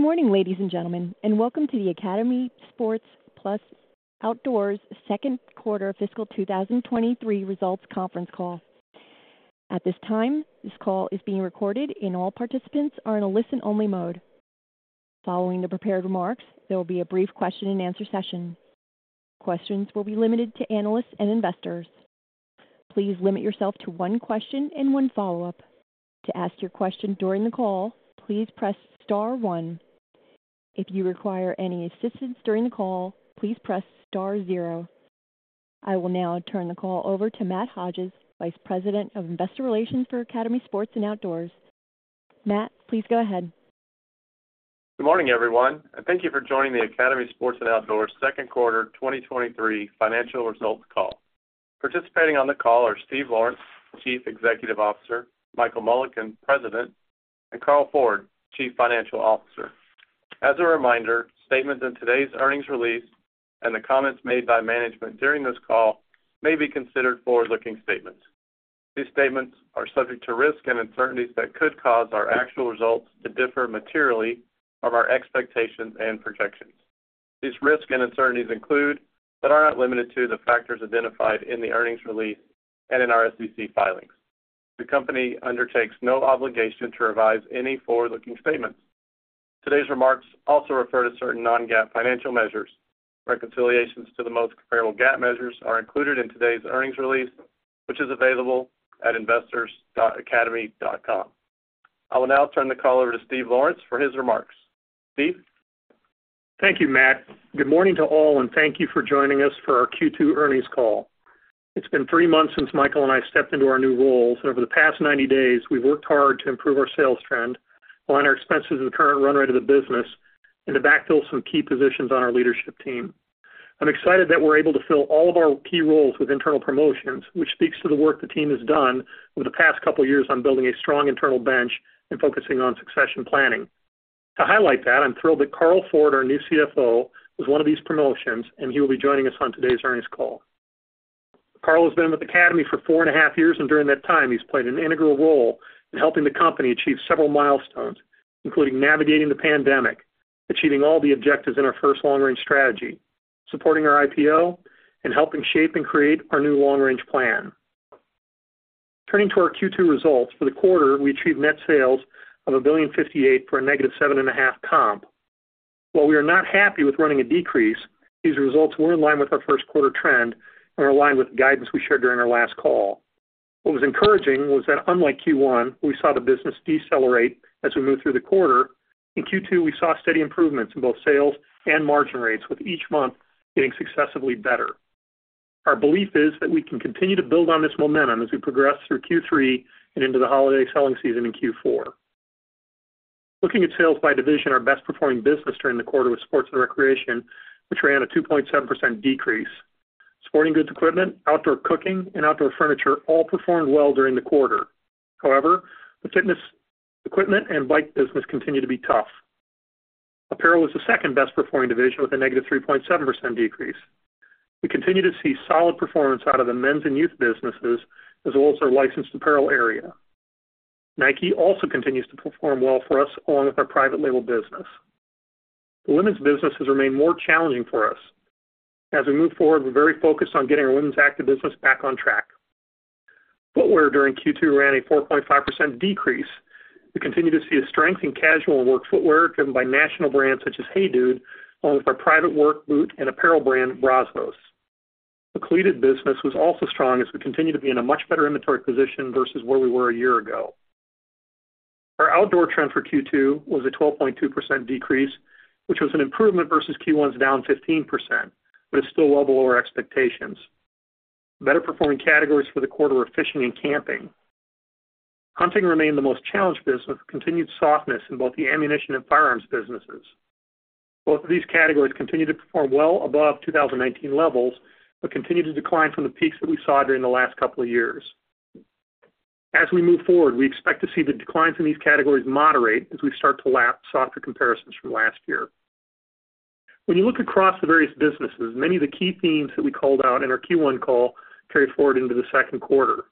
Good morning, ladies and gentlemen, and welcome to the Academy Sports + Outdoors second quarter fiscal 2023 results conference call. At this time, this call is being recorded and all participants are in a listen-only mode. Following the prepared remarks, there will be a brief question and answer session. Questions will be limited to analysts and investors. Please limit yourself to one question and one follow-up. To ask your question during the call, please press star one. If you require any assistance during the call, please press star zero. I will now turn the call over to Matt Hodges, Vice President of Investor Relations for Academy Sports + Outdoors. Matt, please go ahead. Good morning, everyone, and thank you for joining the Academy Sports and Outdoors second quarter 2023 financial results call. Participating on the call are Steve Lawrence, Chief Executive Officer, Michael Mullican, President, and Carl Ford, Chief Financial Officer. As a reminder, statements in today's earnings release and the comments made by management during this call may be considered forward-looking statements. These statements are subject to risks and uncertainties that could cause our actual results to differ materially from our expectations and projections. These risks and uncertainties include, but are not limited to, the factors identified in the earnings release and in our SEC filings. The company undertakes no obligation to revise any forward-looking statements. Today's remarks also refer to certain non-GAAP financial measures. Reconciliations to the most comparable GAAP measures are included in today's earnings release, which is available at investors.academy.com. I will now turn the call over to Steve Lawrence for his remarks. Steve? Thank you, Matt. Good morning to all, and thank you for joining us for our Q2 earnings call. It's been three months since Michael and I stepped into our new roles, and over the past 90 days, we've worked hard to improve our sales trend, align our expenses with the current run rate of the business, and to backfill some key positions on our leadership team. I'm excited that we're able to fill all of our key roles with internal promotions, which speaks to the work the team has done over the past couple of years on building a strong internal bench and focusing on succession planning. To highlight that, I'm thrilled that Carl Ford, our new CFO, was one of these promotions, and he will be joining us on today's earnings call. Carl has been with Academy for four and a half years, and during that time, he's played an integral role in helping the company achieve several milestones, including navigating the pandemic, achieving all the objectives in our first long-range strategy, supporting our IPO, and helping shape and create our new long-range plan. Turning to our Q2 results, for the quarter, we achieved net sales of $1.058 billion for a -7.5 comp. While we are not happy with running a decrease, these results were in line with our first quarter trend and are in line with the guidance we shared during our last call. What was encouraging was that unlike Q1, we saw the business decelerate as we moved through the quarter. In Q2, we saw steady improvements in both sales and margin rates, with each month getting successively better. Our belief is that we can continue to build on this momentum as we progress through Q3 and into the holiday selling season in Q4. Looking at sales by division, our best performing business during the quarter was sports and recreation, which ran a 2.7% decrease. Sporting goods equipment, outdoor cooking, and outdoor furniture all performed well during the quarter. However, the fitness equipment and bike business continue to be tough. Apparel was the second best performing division, with a negative 3.7% decrease. We continue to see solid performance out of the men's and youth businesses, as well as our licensed apparel area. Nike also continues to perform well for us, along with our private label business. The women's business has remained more challenging for us. As we move forward, we're very focused on getting our women's active business back on track. Footwear during Q2 ran a 4.5% decrease. We continue to see a strength in casual and work footwear, driven by national brands such as HEYDUDE, along with our private work boot and apparel brand, Brazos. The cleated business was also strong as we continue to be in a much better inventory position versus where we were a year ago. Our outdoor trend for Q2 was a 12.2% decrease, which was an improvement versus Q1's down 15%, but it's still well below our expectations. Better performing categories for the quarter were fishing and camping. Hunting remained the most challenged business, with continued softness in both the ammunition and firearms businesses. Both of these categories continue to perform well above 2019 levels, but continue to decline from the peaks that we saw during the last couple of years. As we move forward, we expect to see the declines in these categories moderate as we start to lap softer comparisons from last year. When you look across the various businesses, many of the key themes that we called out in our Q1 call carried forward into the second quarter.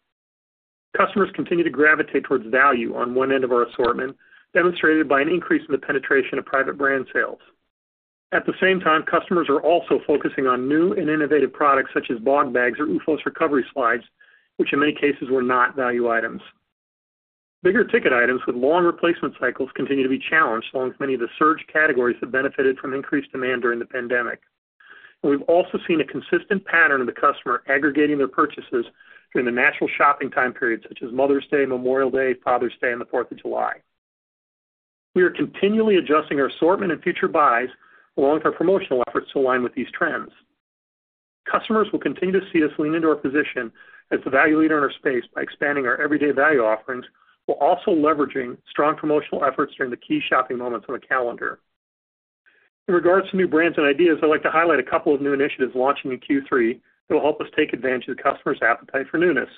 Customers continue to gravitate towards value on one end of our assortment, demonstrated by an increase in the penetration of private brand sales. At the same time, customers are also focusing on new and innovative products, such as Bogg Bags or OOFOS recovery slides, which in many cases were not value items. Bigger ticket items with long replacement cycles continue to be challenged, along with many of the surge categories that benefited from increased demand during the pandemic. We've also seen a consistent pattern of the customer aggregating their purchases during the national shopping time periods, such as Mother's Day, Memorial Day, Father's Day, and the Fourth of July. We are continually adjusting our assortment and future buys, along with our promotional efforts, to align with these trends. Customers will continue to see us lean into our position as the value leader in our space by expanding our everyday value offerings, while also leveraging strong promotional efforts during the key shopping moments on the calendar. In regards to new brands and ideas, I'd like to highlight a couple of new initiatives launching in Q3 that will help us take advantage of the customer's appetite for newness.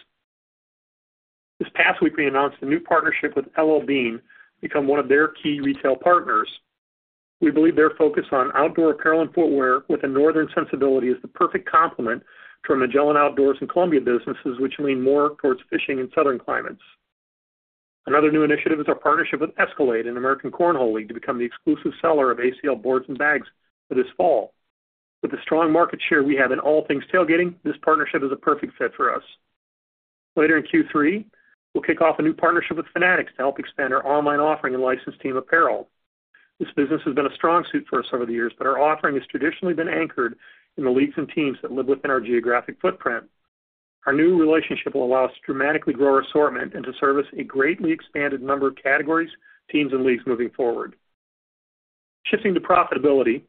This past week, we announced a new partnership with L.L.Bean to become one of their key retail partners. We believe their focus on outdoor apparel and footwear with a northern sensibility is the perfect complement to our Magellan Outdoors and Columbia businesses, which lean more towards fishing in southern climates. Another new initiative is our partnership with Escalade and American Cornhole League to become the exclusive seller of ACL boards and bags for this fall. With the strong market share we have in all things tailgating, this partnership is a perfect fit for us. Later in Q3, we'll kick off a new partnership with Fanatics to help expand our online offering and licensed team apparel. This business has been a strong suit for us over the years, but our offering has traditionally been anchored in the leagues and teams that live within our geographic footprint. Our new relationship will allow us to dramatically grow our assortment and to service a greatly expanded number of categories, teams, and leagues moving forward. Shifting to profitability,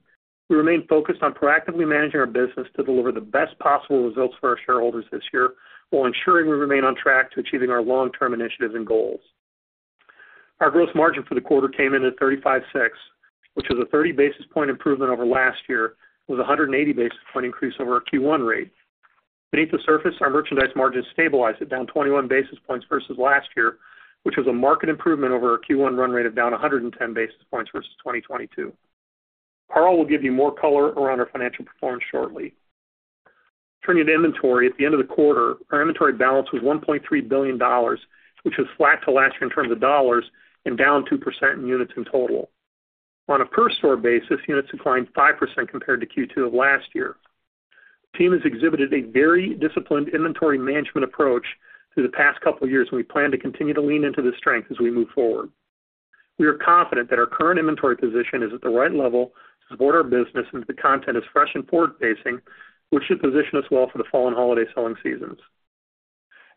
we remain focused on proactively managing our business to deliver the best possible results for our shareholders this year, while ensuring we remain on track to achieving our long-term initiatives and goals. Our gross margin for the quarter came in at 35.6%, which was a 30 basis point improvement over last year, with a 180 basis point increase over our Q1 rate. Beneath the surface, our merchandise margins stabilized at down 21 basis points versus last year, which was a marked improvement over our Q1 run rate of down 110 basis points versus 2022. Carl will give you more color around our financial performance shortly. Turning to inventory, at the end of the quarter, our inventory balance was $1.3 billion, which was flat to last year in terms of dollars and down 2% in units in total. On a per store basis, units declined 5% compared to Q2 of last year. Team has exhibited a very disciplined inventory management approach through the past couple of years, and we plan to continue to lean into this strength as we move forward. We are confident that our current inventory position is at the right level to support our business, and the content is fresh and forward-facing, which should position us well for the fall and holiday selling seasons.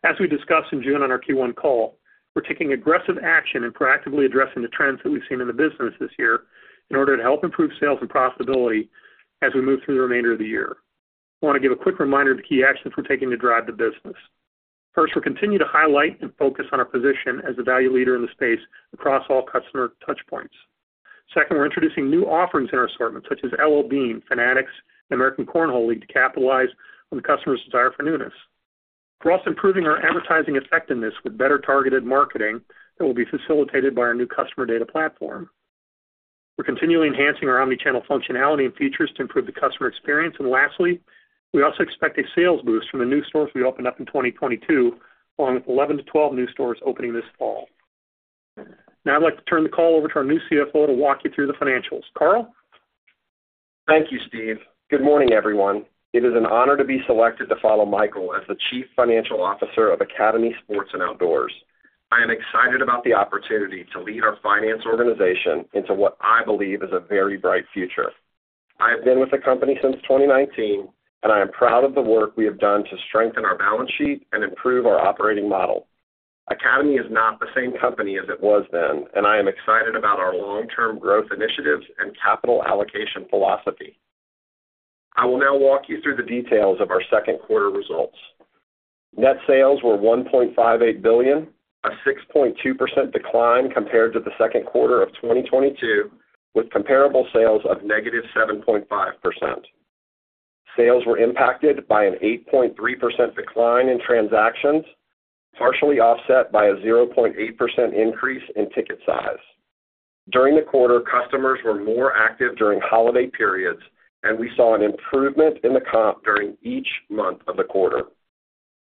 As we discussed in June on our Q1 call, we're taking aggressive action in proactively addressing the trends that we've seen in the business this year in order to help improve sales and profitability as we move through the remainder of the year. I want to give a quick reminder of the key actions we're taking to drive the business. First, we'll continue to highlight and focus on our position as the value leader in the space across all customer touch points. Second, we're introducing new offerings in our assortment, such as L.L.Bean, Fanatics, and American Cornhole League, to capitalize on the customer's desire for newness. We're also improving our advertising effectiveness with better targeted marketing that will be facilitated by our new customer data platform. We're continually enhancing our omni-channel functionality and features to improve the customer experience. Lastly, we also expect a sales boost from the new stores we opened up in 2022, along with 11-12 new stores opening this fall. Now I'd like to turn the call over to our new CFO to walk you through the financials. Carl? Thank you, Steve. Good morning, everyone. It is an honor to be selected to follow Michael as the Chief Financial Officer of Academy Sports and Outdoors. I am excited about the opportunity to lead our finance organization into what I believe is a very bright future. I have been with the company since 2019, and I am proud of the work we have done to strengthen our balance sheet and improve our operating model. Academy is not the same company as it was then, and I am excited about our long-term growth initiatives and capital allocation philosophy. I will now walk you through the details of our second quarter results. Net sales were $1.58 billion, a 6.2% decline compared to the second quarter of 2022, with comparable sales of -7.5%. Sales were impacted by an 8.3% decline in transactions, partially offset by a 0.8% increase in ticket size. During the quarter, customers were more active during holiday periods, and we saw an improvement in the comp during each month of the quarter.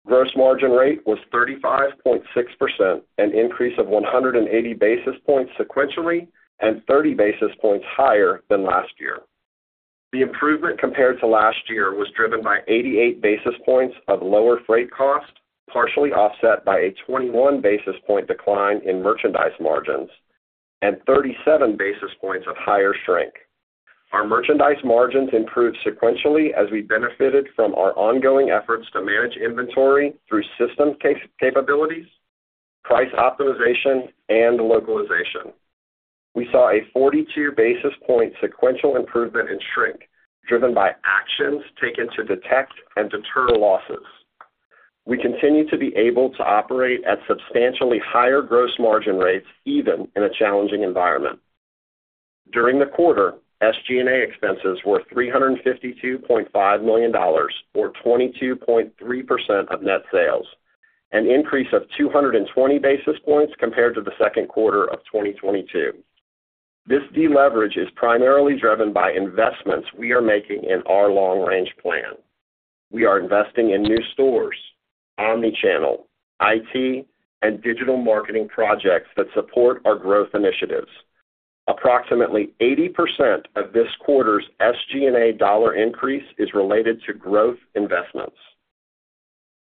Gross margin rate was 35.6%, an increase of 180 basis points sequentially and 30 basis points higher than last year. The improvement compared to last year was driven by 88 basis points of lower freight cost, partially offset by a 21 basis point decline in merchandise margins and 37 basis points of higher shrink. Our merchandise margins improved sequentially as we benefited from our ongoing efforts to manage inventory through system capabilities, price optimization, and localization. We saw a 42 basis point sequential improvement in shrink, driven by actions taken to detect and deter losses. We continue to be able to operate at substantially higher gross margin rates, even in a challenging environment. During the quarter, SG&A expenses were $352.5 million or 22.3% of net sales, an increase of 220 basis points compared to the second quarter of 2022. This deleverage is primarily driven by investments we are making in our long range plan. We are investing in new stores, omni-channel, IT, and digital marketing projects that support our growth initiatives. Approximately 80% of this quarter's SG&A dollar increase is related to growth investments.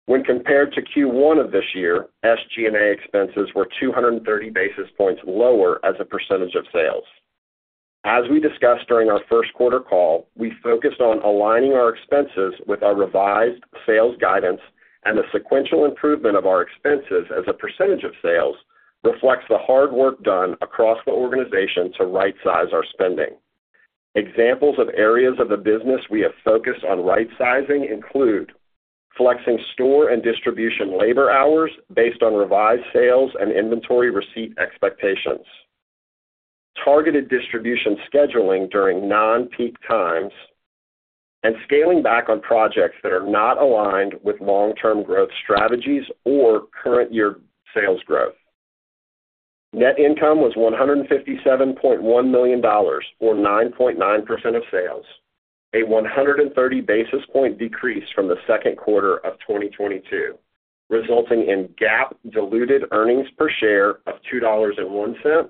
When compared to Q1 of this year, SG&A expenses were 230 basis points lower as a percentage of sales. As we discussed during our first quarter call, we focused on aligning our expenses with our revised sales guidance and the sequential improvement of our expenses as a percentage of sales reflects the hard work done across the organization to rightsize our spending. Examples of areas of the business we have focused on rightsizing include flexing store and distribution labor hours based on revised sales and inventory receipt expectations, targeted distribution scheduling during non-peak times, and scaling back on projects that are not aligned with long-term growth strategies or current year sales growth. Net income was $157.1 million, or 9.9% of sales. A 130 basis point decrease from the second quarter of 2022, resulting in GAAP diluted earnings per share of $2.01.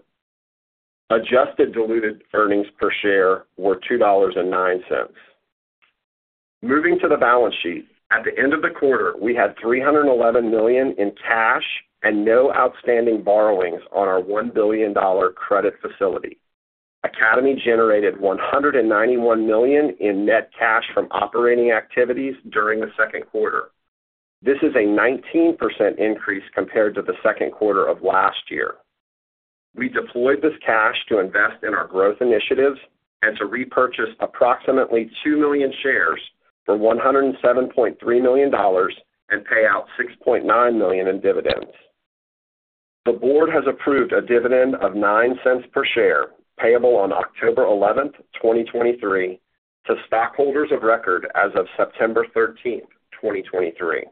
Adjusted diluted earnings per share were $2.09. Moving to the balance sheet, at the end of the quarter, we had $311 million in cash and no outstanding borrowings on our $1 billion credit facility. Academy generated $191 million in net cash from operating activities during the second quarter. This is a 19% increase compared to the second quarter of last year. We deployed this cash to invest in our growth initiatives and to repurchase approximately 2 million shares for $107.3 million and pay out $6.9 million in dividends. The board has approved a dividend of $0.09 per share, payable on October 11, 2023, to stockholders of record as of September 13, 2023.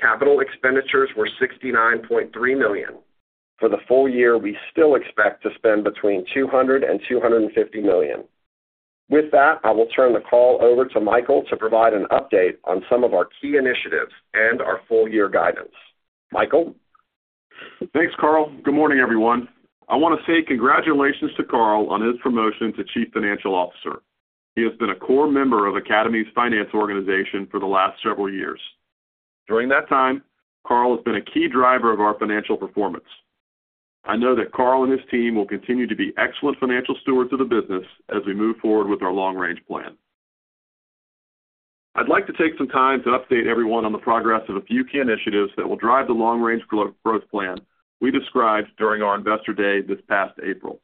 Capital expenditures were $69.3 million. For the full year, we still expect to spend between $200 million and $250 million. With that, I will turn the call over to Michael to provide an update on some of our key initiatives and our full year guidance. Michael? Thanks, Carl. Good morning, everyone. I want to say congratulations to Carl on his promotion to Chief Financial Officer. He has been a core member of Academy's finance organization for the last several years. During that time, Carl has been a key driver of our financial performance. I know that Carl and his team will continue to be excellent financial stewards of the business as we move forward with our long-range plan. I'd like to take some time to update everyone on the progress of a few key initiatives that will drive the long-range growth plan we described during our Investor Day this past April.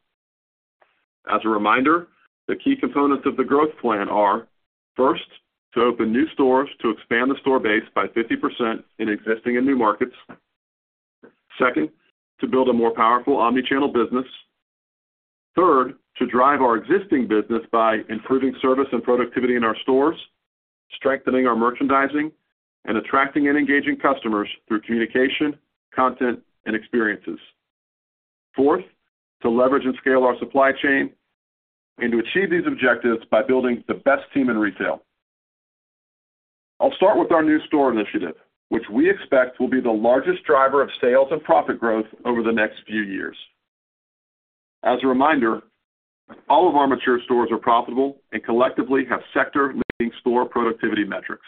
As a reminder, the key components of the growth plan are, first, to open new stores to expand the store base by 50% in existing and new markets. Second, to build a more powerful omnichannel business. Third, to drive our existing business by improving service and productivity in our stores, strengthening our merchandising, and attracting and engaging customers through communication, content, and experiences. Fourth, to leverage and scale our supply chain, and to achieve these objectives by building the best team in retail. I'll start with our new store initiative, which we expect will be the largest driver of sales and profit growth over the next few years. As a reminder, all of our mature stores are profitable and collectively have sector-leading store productivity metrics.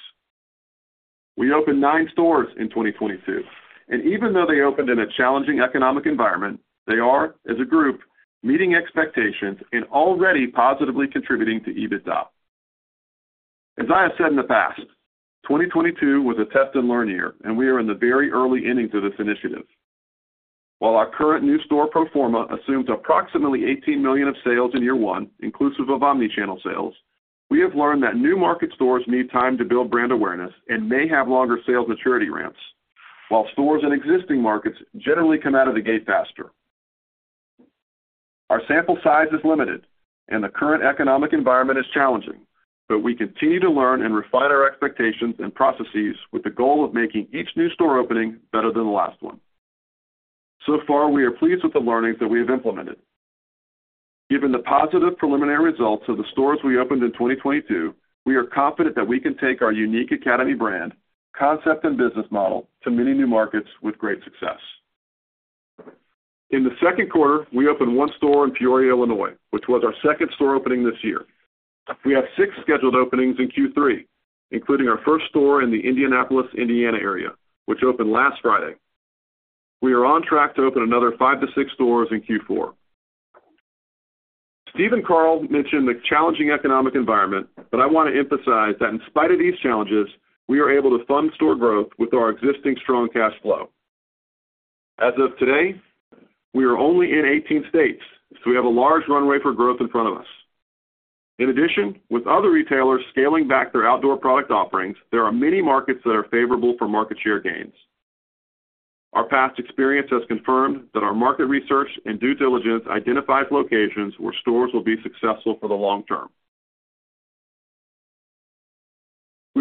We opened 9 stores in 2022, and even though they opened in a challenging economic environment, they are, as a group, meeting expectations and already positively contributing to EBITDA. As I have said in the past, 2022 was a test and learn year, and we are in the very early innings of this initiative. While our current new store pro forma assumes approximately $18 million of sales in year one, inclusive of omnichannel sales, we have learned that new market stores need time to build brand awareness and may have longer sales maturity ramps, while stores in existing markets generally come out of the gate faster. Our sample size is limited and the current economic environment is challenging, but we continue to learn and refine our expectations and processes with the goal of making each new store opening better than the last one. So far, we are pleased with the learnings that we have implemented. Given the positive preliminary results of the stores we opened in 2022, we are confident that we can take our unique Academy brand, concept, and business model to many new markets with great success. In the second quarter, we opened one store in Peoria, Illinois, which was our second store opening this year. We have six scheduled openings in Q3, including our first store in the Indianapolis, Indiana area, which opened last Friday. We are on track to open another five to six stores in Q4. Steve and Carl mentioned the challenging economic environment, but I want to emphasize that in spite of these challenges, we are able to fund store growth with our existing strong cash flow. As of today, we are only in eighteen states, so we have a large runway for growth in front of us. In addition, with other retailers scaling back their outdoor product offerings, there are many markets that are favorable for market share gains. Our past experience has confirmed that our market research and due diligence identifies locations where stores will be successful for the long term.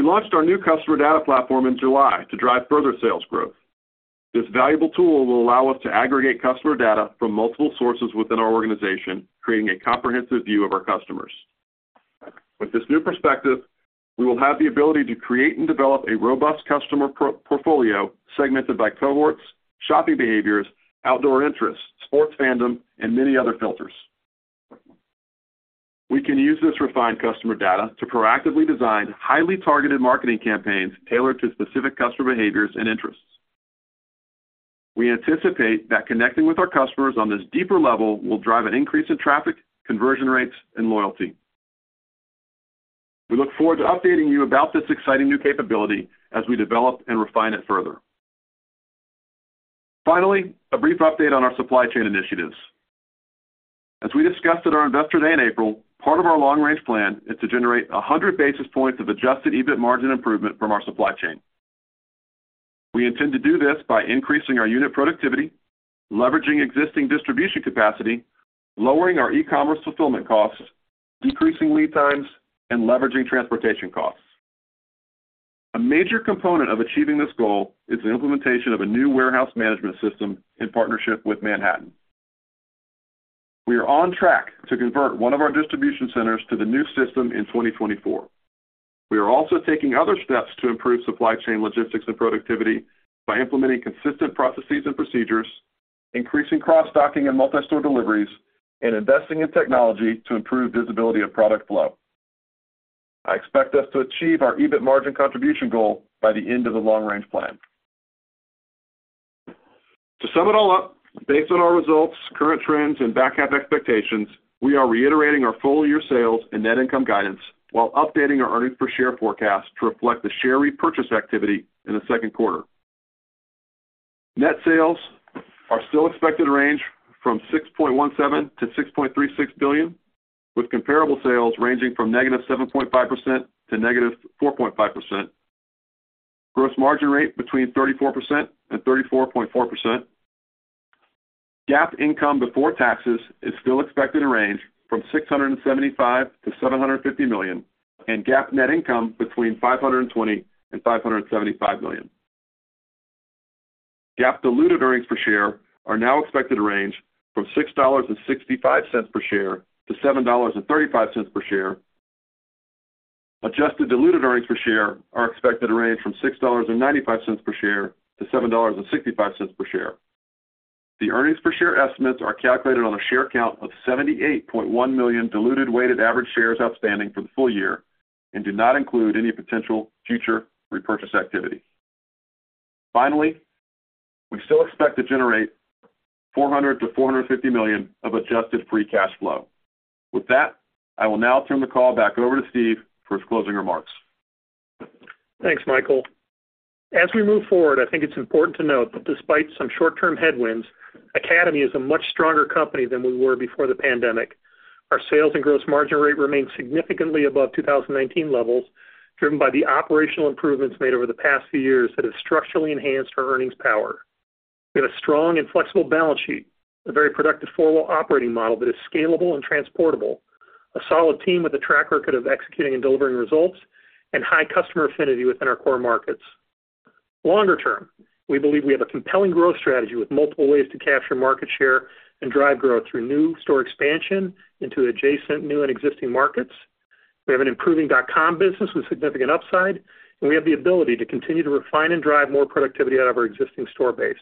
We launched our new customer data platform in July to drive further sales growth. This valuable tool will allow us to aggregate customer data from multiple sources within our organization, creating a comprehensive view of our customers. With this new perspective, we will have the ability to create and develop a robust customer profile portfolio segmented by cohorts, shopping behaviors, outdoor interests, sports fandom, and many other filters. We can use this refined customer data to proactively design highly targeted marketing campaigns tailored to specific customer behaviors and interests. We anticipate that connecting with our customers on this deeper level will drive an increase in traffic, conversion rates, and loyalty. We look forward to updating you about this exciting new capability as we develop and refine it further. Finally, a brief update on our supply chain initiatives. As we discussed at our Investor Day in April, part of our long-range plan is to generate 100 basis points of adjusted EBIT margin improvement from our supply chain. We intend to do this by increasing our unit productivity, leveraging existing distribution capacity, lowering our e-commerce fulfillment costs, decreasing lead times, and leveraging transportation costs. A major component of achieving this goal is the implementation of a new warehouse management system in partnership with Manhattan. We are on track to convert one of our distribution centers to the new system in 2024. We are also taking other steps to improve supply chain logistics and productivity by implementing consistent processes and procedures, increasing cross-docking and multi-store deliveries, and investing in technology to improve visibility of product flow. I expect us to achieve our EBIT margin contribution goal by the end of the long-range plan. To sum it all up, based on our results, current trends, and back half expectations, we are reiterating our full-year sales and net income guidance while updating our earnings per share forecast to reflect the share repurchase activity in the second quarter. Net sales are still expected to range from $6.17 billion-$6.36 billion, with comparable sales ranging from -7.5% to -4.5%. Gross margin rate between 34% and 34.4%. GAAP income before taxes is still expected to range from $675 million-$750 million, and GAAP net income between $520 million and $575 million. GAAP diluted earnings per share are now expected to range from $6.65 per share to $7.35 per share. Adjusted diluted earnings per share are expected to range from $6.95 per share-$7.65 per share. The earnings per share estimates are calculated on a share count of 78.1 million diluted weighted average shares outstanding for the full year and do not include any potential future repurchase activity. Finally, we still expect to generate $400 million-$450 million of adjusted free cash flow. With that, I will now turn the call back over to Steve for his closing remarks. Thanks, Michael. As we move forward, I think it's important to note that despite some short-term headwinds, Academy is a much stronger company than we were before the pandemic. Our sales and gross margin rate remain significantly above 2019 levels, driven by the operational improvements made over the past few years that have structurally enhanced our earnings power. We have a strong and flexible balance sheet, a very productive four-wall operating model that is scalable and transportable, a solid team with a track record of executing and delivering results, and high customer affinity within our core markets. Longer term, we believe we have a compelling growth strategy with multiple ways to capture market share and drive growth through new store expansion into adjacent, new, and existing markets. We have an improving dot com business with significant upside, and we have the ability to continue to refine and drive more productivity out of our existing store base.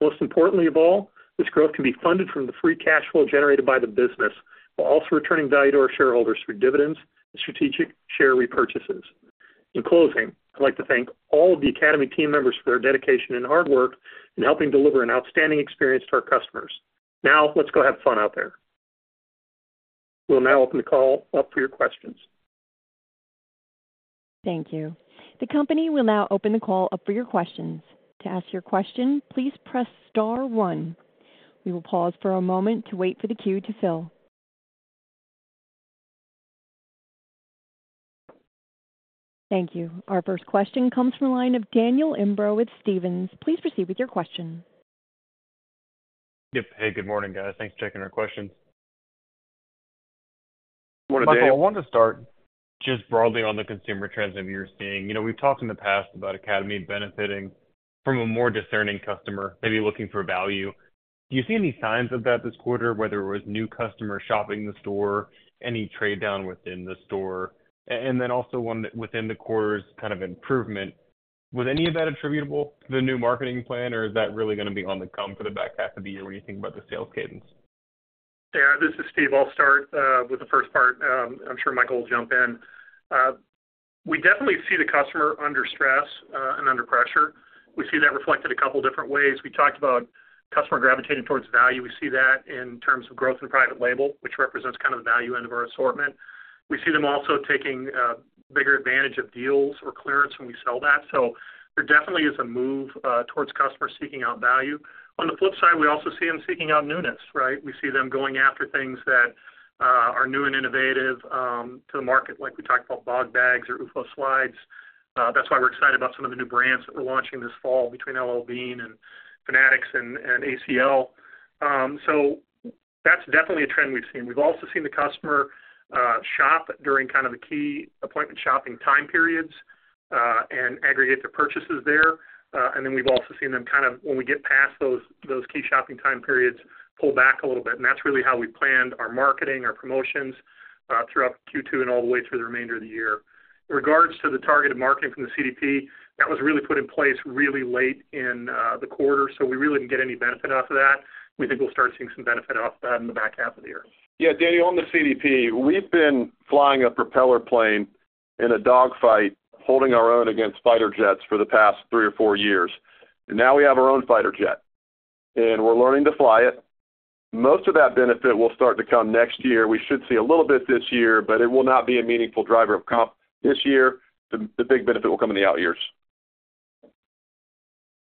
Most importantly of all, this growth can be funded from the free cash flow generated by the business, while also returning value to our shareholders through dividends and strategic share repurchases. In closing, I'd like to thank all of the Academy team members for their dedication and hard work in helping deliver an outstanding experience to our customers. Now, let's go have fun out there. We'll now open the call up for your questions. Thank you. The company will now open the call up for your questions. To ask your question, please press star one. We will pause for a moment to wait for the queue to fill. Thank you. Our first question comes from the line of Daniel Imbro with Stephens. Please proceed with your question. Yep. Hey, good morning, guys. Thanks for taking our questions. Michael, I want to start just broadly on the consumer trends that you're seeing. You know, we've talked in the past about Academy benefiting from a more discerning customer, maybe looking for value. Do you see any signs of that this quarter, whether it was new customers shopping the store, any trade down within the store? And then also one that within the quarter's kind of improvement, was any of that attributable to the new marketing plan, or is that really gonna be on the come for the back half of the year when you think about the sales cadence? Yeah, this is Steve. I'll start with the first part. I'm sure Michael will jump in. We definitely see the customer under stress and under pressure. We see that reflected a couple different ways. We talked about customer gravitating towards value. We see that in terms of growth in private label, which represents kind of the value end of our assortment. We see them also taking bigger advantage of deals or clearance when we sell that. So there definitely is a move towards customers seeking out value. On the flip side, we also see them seeking out newness, right? We see them going after things that are new and innovative to the market, like we talked about Bog Bags or OOFOS slides. That's why we're excited about some of the new brands that we're launching this fall between L.L.Bean and Fanatics and ACL. So that's definitely a trend we've seen. We've also seen the customer shop during kind of the key appointment shopping time periods and aggregate the purchases there. And then we've also seen them kind of, when we get past those key shopping time periods, pull back a little bit, and that's really how we planned our marketing, our promotions throughout Q2 and all the way through the remainder of the year. In regards to the targeted marketing from the CDP, that was really put in place really late in the quarter, so we really didn't get any benefit out of that. We think we'll start seeing some benefit out of that in the back half of the year. Yeah, Danny, on the CDP, we've been flying a propeller plane in a dogfight, holding our own against fighter jets for the past three or four years. Now we have our own fighter jet, and we're learning to fly it. Most of that benefit will start to come next year. We should see a little bit this year, but it will not be a meaningful driver of comp this year. The big benefit will come in the out years.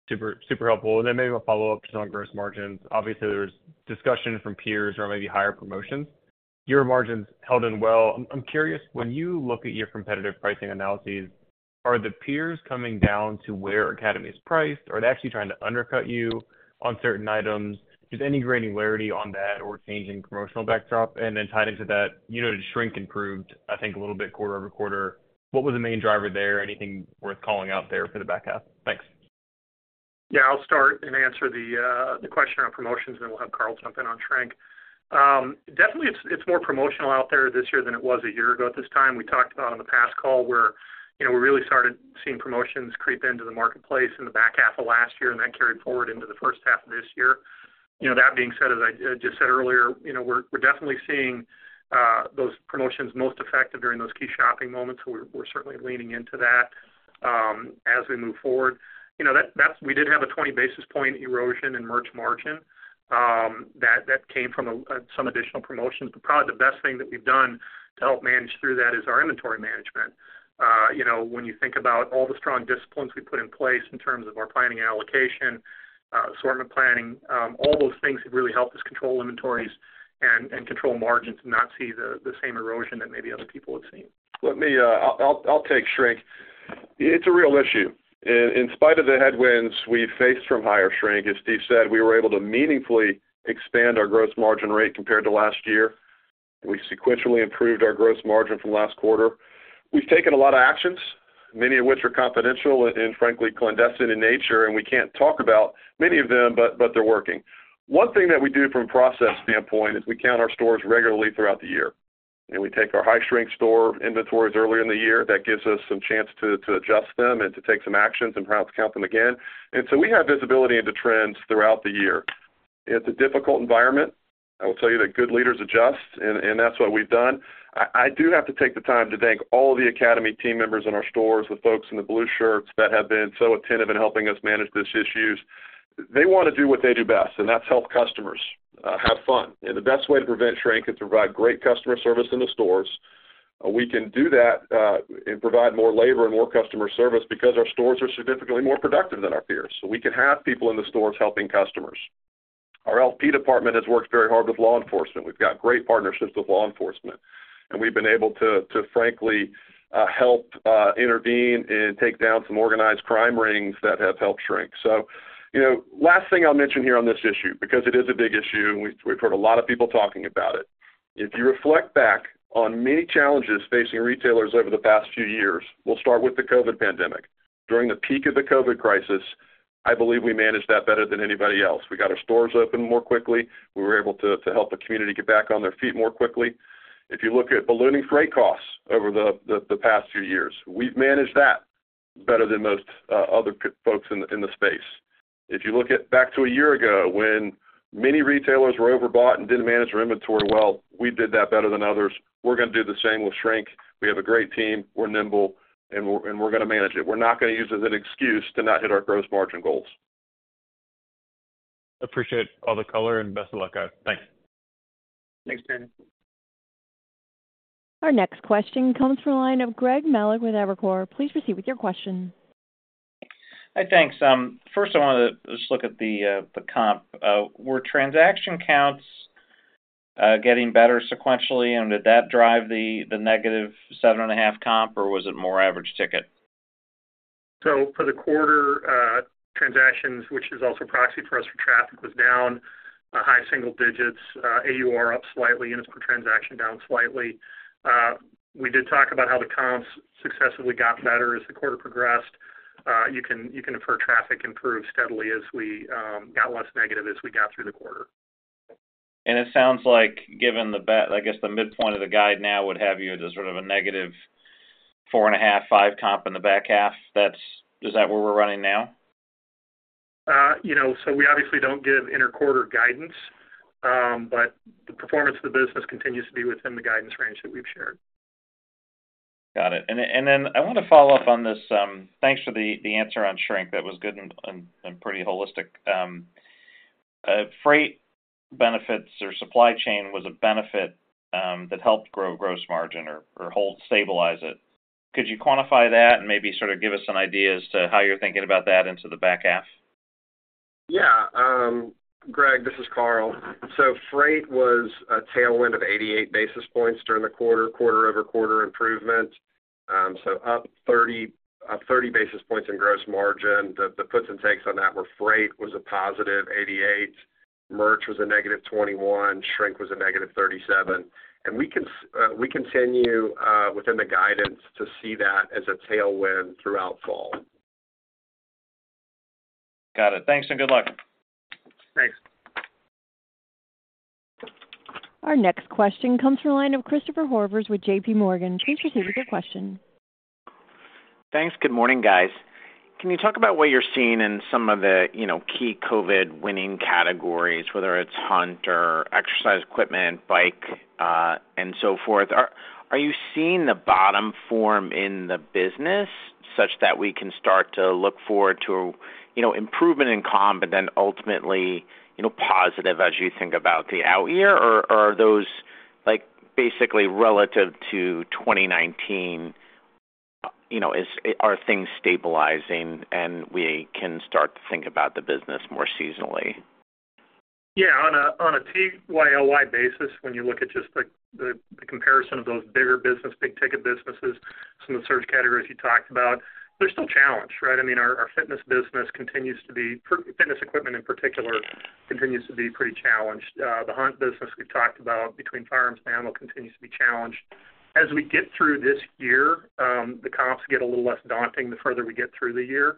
Super, super helpful. Then maybe we'll follow up just on gross margins. Obviously, there's discussion from peers or maybe higher promotions. Your margins held in well. I'm curious, when you look at your competitive pricing analyses, are the peers coming down to where Academy is priced, or are they actually trying to undercut you on certain items? Just any granularity on that or changing promotional backdrop? Then tied into that, you noted shrink improved, I think, a little bit quarter-over-quarter. What was the main driver there? Anything worth calling out there for the back half? Thanks. ... Yeah, I'll start and answer the question on promotions, then we'll have Carl jump in on shrink. Definitely it's more promotional out there this year than it was a year ago at this time. We talked about on the past call where, you know, we really started seeing promotions creep into the marketplace in the back half of last year, and that carried forward into the first half of this year. You know, that being said, as I just said earlier, you know, we're definitely seeing those promotions most effective during those key shopping moments, so we're certainly leaning into that as we move forward. You know, that-- we did have a 20 basis point erosion in merch margin, that came from some additional promotions. But probably the best thing that we've done to help manage through that is our inventory management. You know, when you think about all the strong disciplines we put in place in terms of our planning and allocation, assortment planning, all those things have really helped us control inventories and control margins and not see the same erosion that maybe other people have seen. Let me. I'll take shrink. It's a real issue. In spite of the headwinds we faced from higher shrink, as Steve said, we were able to meaningfully expand our gross margin rate compared to last year. We sequentially improved our gross margin from last quarter. We've taken a lot of actions, many of which are confidential and frankly, clandestine in nature, and we can't talk about many of them, but they're working. One thing that we do from a process standpoint is we count our stores regularly throughout the year, and we take our high shrink store inventories early in the year. That gives us some chance to adjust them and to take some actions and perhaps count them again. And so we have visibility into trends throughout the year. It's a difficult environment. I will tell you that good leaders adjust, and that's what we've done. I do have to take the time to thank all the Academy team members in our stores, the folks in the blue shirts that have been so attentive in helping us manage these issues. They want to do what they do best, and that's help customers have fun. And the best way to prevent shrink is to provide great customer service in the stores. We can do that and provide more labor and more customer service because our stores are significantly more productive than our peers. So we can have people in the stores helping customers. Our LP department has worked very hard with law enforcement. We've got great partnerships with law enforcement, and we've been able to frankly help intervene and take down some organized crime rings that have helped shrink. So, you know, last thing I'll mention here on this issue, because it is a big issue, and we've heard a lot of people talking about it. If you reflect back on many challenges facing retailers over the past few years, we'll start with the COVID pandemic. During the peak of the COVID crisis, I believe we managed that better than anybody else. We got our stores open more quickly. We were able to help the community get back on their feet more quickly. If you look at ballooning freight costs over the past few years, we've managed that better than most other folks in the space. If you look back to a year ago, when many retailers were overbought and didn't manage their inventory well, we did that better than others. We're gonna do the same with shrink. We have a great team, we're nimble, and we're gonna manage it. We're not gonna use it as an excuse to not hit our gross margin goals. Appreciate all the color and best of luck, guys. Thanks. Thanks, Dan. Our next question comes from the line of Greg Melich with Evercore. Please proceed with your question. Hi, thanks. First, I wanted to just look at the, the comp. Were transaction counts getting better sequentially, and did that drive the, the negative 7.5 comp, or was it more average ticket? So for the quarter, transactions, which is also a proxy for us for traffic, was down high single digits, AUR up slightly, units per transaction down slightly. We did talk about how the comps successfully got better as the quarter progressed. You can infer traffic improved steadily as we got less negative as we got through the quarter. It sounds like given the, I guess, the midpoint of the guide now would have you at a sort of a -4.5 to 5 comp in the back half. That's. Is that where we're running now? You know, so we obviously don't give interquarter guidance, but the performance of the business continues to be within the guidance range that we've shared. Got it. And then I want to follow up on this. Thanks for the answer on shrink. That was good and pretty holistic. Freight benefits or supply chain was a benefit that helped grow gross margin or hold, stabilize it. Could you quantify that and maybe sort of give us some idea as to how you're thinking about that into the back half? Yeah, Greg, this is Carl. So freight was a tailwind of 88 basis points during the quarter, quarter-over-quarter improvement. So up 30 basis points, up 30 basis points in gross margin. The, the puts and takes on that were freight was a +88 basis points, merch was a -21 basis points, shrink was a -37 basis points. And we continue within the guidance to see that as a tailwind throughout fall. Got it. Thanks, and good luck. Thanks. Our next question comes from the line of Christopher Horvers with JP Morgan. Please proceed with your question. Thanks. Good morning, guys. Can you talk about what you're seeing in some of the, you know, key COVID winning categories, whether it's hunt or exercise equipment, bike, and so forth? Are you seeing the bottom form in the business such that we can start to look forward to, you know, improvement in comp, but then ultimately, you know, positive as you think about the out year? Or are those like, basically relative to 2019, you know, are things stabilizing and we can start to think about the business more seasonally? Yeah, on a TYY basis, when you look at just the comparison of those bigger business, big-ticket businesses, some of the search categories you talked about, they're still challenged, right? I mean, our fitness business continues to be pretty challenged. The hunt business we've talked about between firearms and ammo continues to be challenged. As we get through this year, the comps get a little less daunting the further we get through the year.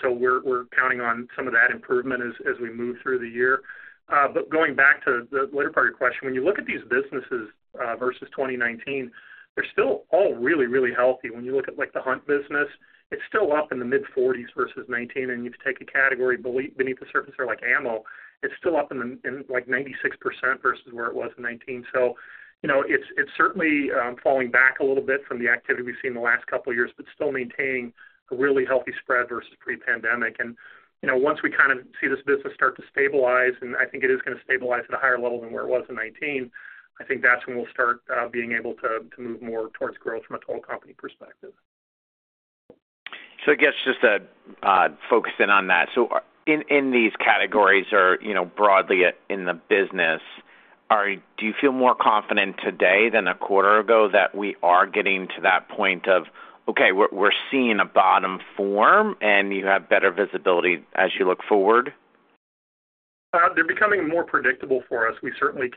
So we're counting on some of that improvement as we move through the year. But going back to the latter part of your question, when you look at these businesses versus 2019, they're still all really healthy. When you look at, like, the hunt business, it's still up in the mid-40s versus 2019, and you take a category belief beneath the surface or like ammo, it's still up in like 96% versus where it was in 2019. So, you know, it's certainly falling back a little bit from the activity we've seen in the last couple of years, but still maintaining a really healthy spread versus pre-pandemic. And, you know, once we kind of see this business start to stabilize, and I think it is gonna stabilize at a higher level than where it was in 2019, I think that's when we'll start being able to move more towards growth from a total company perspective. So I guess just to focus in on that. So in these categories or, you know, broadly in the business, do you feel more confident today than a quarter ago that we are getting to that point of, okay, we're seeing a bottom form and you have better visibility as you look forward? They're becoming more predictable for us. We certainly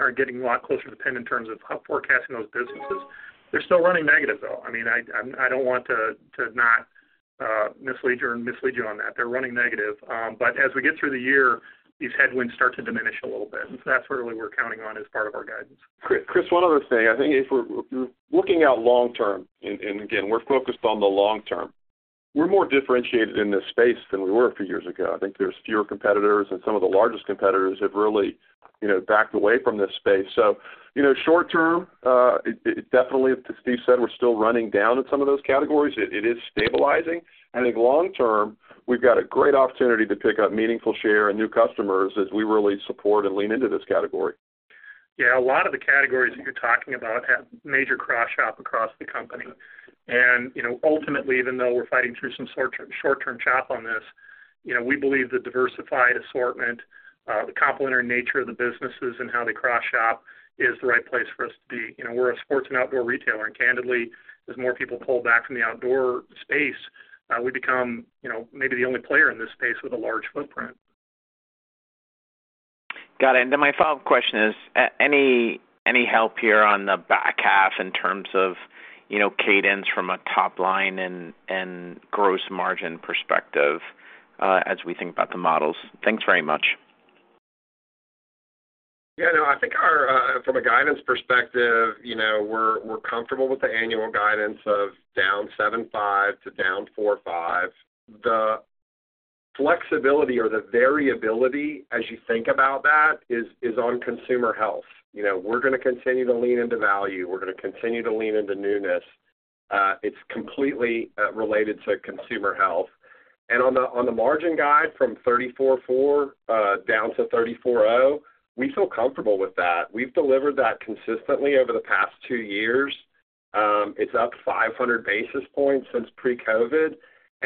are getting a lot closer to pin in terms of how forecasting those businesses. They're still running negative, though. I mean, I don't want to not mislead you on that. They're running negative. But as we get through the year, these headwinds start to diminish a little bit, and so that's where we're counting on as part of our guidance. Chris, one other thing. I think if we're looking out long term, and again, we're focused on the long term, we're more differentiated in this space than we were a few years ago. I think there's fewer competitors, and some of the largest competitors have really, you know, backed away from this space. So you know, short term, it definitely, as Steve said, we're still running down in some of those categories. It is stabilizing. I think long term, we've got a great opportunity to pick up meaningful share and new customers as we really support and lean into this category. Yeah, a lot of the categories that you're talking about have major cross shop across the company. And you know, ultimately, even though we're fighting through some short-term, short-term chop on this, you know, we believe the diversified assortment, the complementary nature of the businesses and how they cross shop is the right place for us to be. You know, we're a sports and outdoor retailer, and candidly, as more people pull back from the outdoor space, we become, you know, maybe the only player in this space with a large footprint. Got it. And then my follow-up question is, any help here on the back half in terms of, you know, cadence from a top line and gross margin perspective, as we think about the models? Thanks very much. Yeah, no, I think our, from a guidance perspective, you know, we're, we're comfortable with the annual guidance of -7.5% to -4.5%. The flexibility or the variability as you think about that is, is on consumer health. You know, we're gonna continue to lean into value. We're gonna continue to lean into newness. It's completely, related to consumer health. And on the, on the margin guide from 34.4%, down to 34.0%, we feel comfortable with that. We've delivered that consistently over the past two years. It's up 500 basis points since pre-COVID.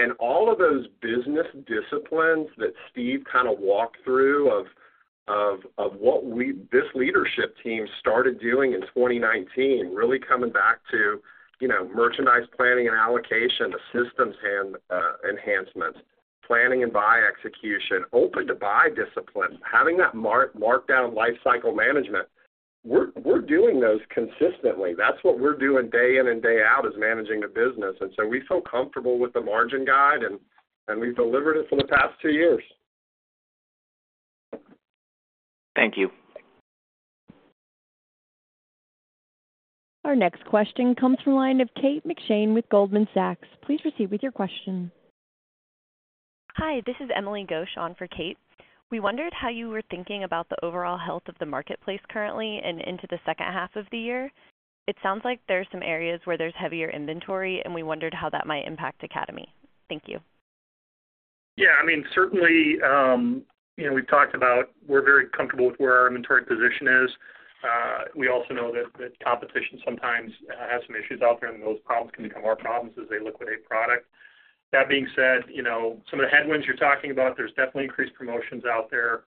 And all of those business disciplines that Steve kind of walked through, this leadership team started doing in 2019, really coming back to, you know, merchandise planning and allocation, the systems and enhancements, planning and buy execution, open to buy discipline, having that markdown life cycle management, we're doing those consistently. That's what we're doing day in and day out, is managing the business. And so we feel comfortable with the margin guide, and we've delivered it for the past two years. Thank you. Our next question comes from the line of Kate McShane with Goldman Sachs. Please proceed with your question. Hi, this is Emily Ghosh on for Kate. We wondered how you were thinking about the overall health of the marketplace currently and into the second half of the year. It sounds like there are some areas where there's heavier inventory, and we wondered how that might impact Academy. Thank you. Yeah, I mean, certainly, you know, we've talked about we're very comfortable with where our inventory position is. We also know that competition sometimes has some issues out there, and those problems can become our problems as they liquidate product. That being said, you know, some of the headwinds you're talking about, there's definitely increased promotions out there,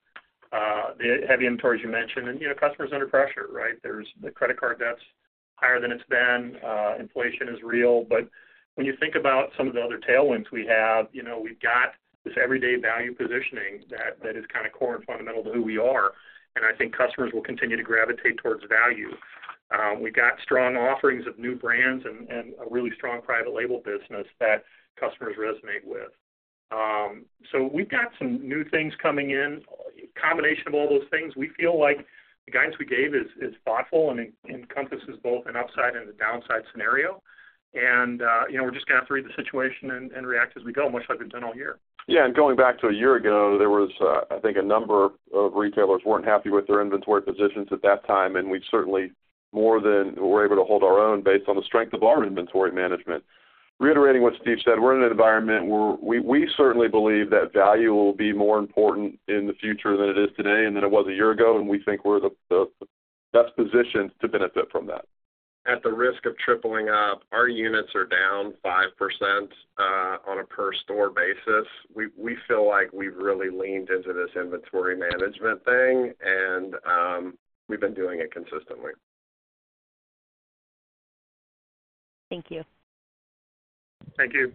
the heavy inventories you mentioned, and, you know, customers under pressure, right? There's the credit card debt's higher than it's been. Inflation is real. But when you think about some of the other tailwinds we have, you know, we've got this everyday value positioning that is kind of core and fundamental to who we are, and I think customers will continue to gravitate towards value. We got strong offerings of new brands and a really strong private label business that customers resonate with. So we've got some new things coming in. Combination of all those things, we feel like the guidance we gave is thoughtful and encompasses both an upside and a downside scenario. And, you know, we're just gonna have to read the situation and react as we go, much like we've done all year. Yeah, and going back to a year ago, there was, I think a number of retailers weren't happy with their inventory positions at that time, and we've certainly more than were able to hold our own based on the strength of our inventory management. Reiterating what Steve said, we're in an environment where we, we certainly believe that value will be more important in the future than it is today and than it was a year ago, and we think we're the, the best positioned to benefit from that. At the risk of tripling up, our units are down 5%, on a per store basis. We, we feel like we've really leaned into this inventory management thing, and, we've been doing it consistently.... Thank you. Thank you.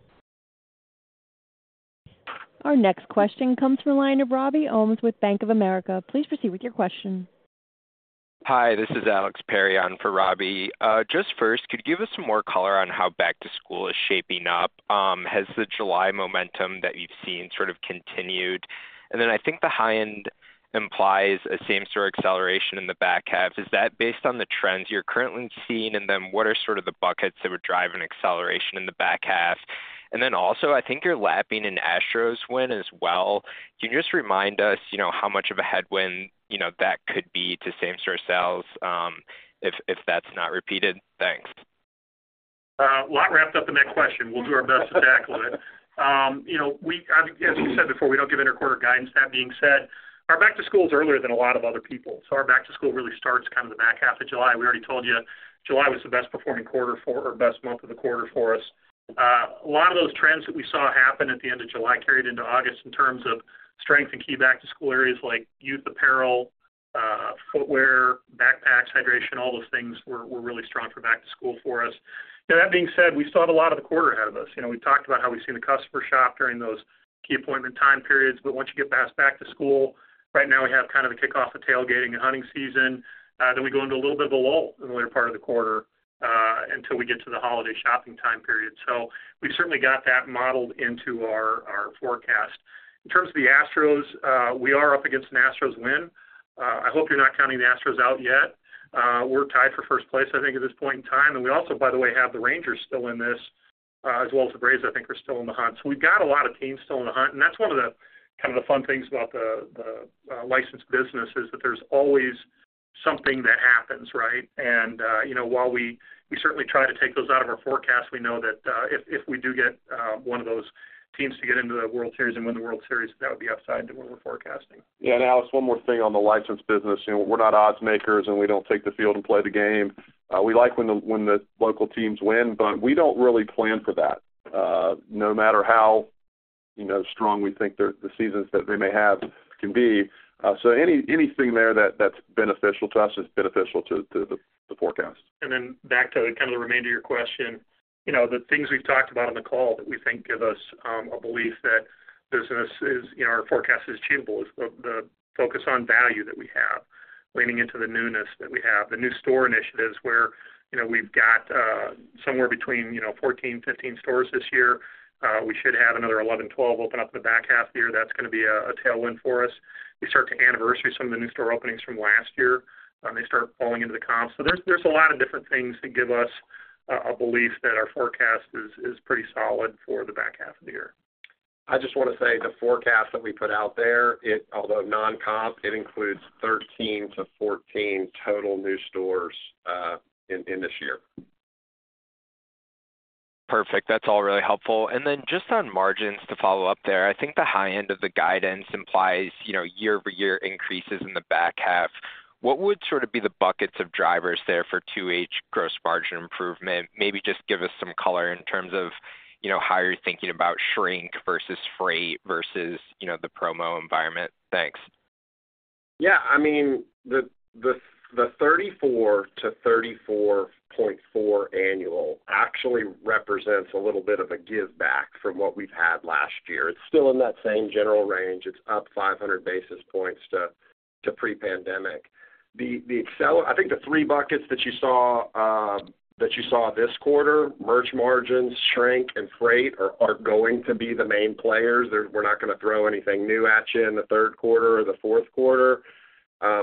Our next question comes from the line of Robbie Ohmes with Bank of America. Please proceed with your question. Hi, this is Alex Perry for Robbie. Just first, could you give us some more color on how back-to-school is shaping up? Has the July momentum that you've seen sort of continued? And then I think the high end implies a same-store acceleration in the back half. Is that based on the trends you're currently seeing? And then what are sort of the buckets that would drive an acceleration in the back half? And then also, I think you're lapping an Astros win as well. Can you just remind us, you know, how much of a headwind, you know, that could be to same-store sales, if that's not repeated? Thanks. Well, I wrapped up the next question. We'll do our best to tackle it. You know, we, as we said before, we don't give interquarter guidance. That being said, our back-to-school is earlier than a lot of other people, so our back-to-school really starts kind of the back half of July. We already told you, July was the best performing quarter for, or best month of the quarter for us. A lot of those trends that we saw happen at the end of July carried into August in terms of strength and key back-to-school areas like youth apparel, footwear, backpacks, hydration, all those things were really strong for back-to-school for us. Now, that being said, we still have a lot of the quarter ahead of us. You know, we talked about how we've seen the customer shop during those key appointment time periods, but once you get past back to school, right now, we have kind of the kickoff of tailgating and hunting season. Then we go into a little bit of a lull in the later part of the quarter, until we get to the holiday shopping time period. So we've certainly got that modeled into our, our forecast. In terms of the Astros, we are up against an Astros win. I hope you're not counting the Astros out yet. We're tied for first place, I think, at this point in time. And we also, by the way, have the Rangers still in this, as well as the Braves, I think, are still in the hunt. So we've got a lot of teams still in the hunt, and that's one of the, kind of the fun things about the licensed business, is that there's always something that happens, right? And you know, while we certainly try to take those out of our forecast, we know that if we do get one of those teams to get into the World Series and win the World Series, that would be upside to what we're forecasting. Yeah, and Alex, one more thing on the licensed business. You know, we're not odds makers, and we don't take the field and play the game. We like when the local teams win, but we don't really plan for that, no matter how, you know, strong we think the seasons that they may have can be. So anything there that's beneficial to us is beneficial to the forecast. And then back to kind of the remainder of your question. You know, the things we've talked about on the call that we think give us a belief that business is, you know, our forecast is achievable, is the focus on value that we have, leaning into the newness that we have, the new store initiatives where, you know, we've got somewhere between 14 stores, 15 stores this year. We should have another 11 stores, 12 stores open up in the back half of the year. That's gonna be a tailwind for us. We start to anniversary some of the new store openings from last year. They start falling into the comps. So there's a lot of different things that give us a belief that our forecast is pretty solid for the back half of the year. I just want to say the forecast that we put out there, it, although non-comp, it includes 13 stores -14 total new stores, in this year. Perfect. That's all really helpful. And then just on margins to follow up there, I think the high end of the guidance implies, you know, year-over-year increases in the back half. What would sort of be the buckets of drivers there for 2H gross margin improvement? Maybe just give us some color in terms of, you know, how you're thinking about shrink versus freight versus, you know, the promo environment. Thanks. Yeah, I mean, the 34-34.4 annual actually represents a little bit of a giveback from what we've had last year. It's still in that same general range. It's up 500 basis points to pre-pandemic. I think the three buckets that you saw this quarter, merch margins, shrink, and freight are going to be the main players. We're not gonna throw anything new at you in the third quarter or the fourth quarter.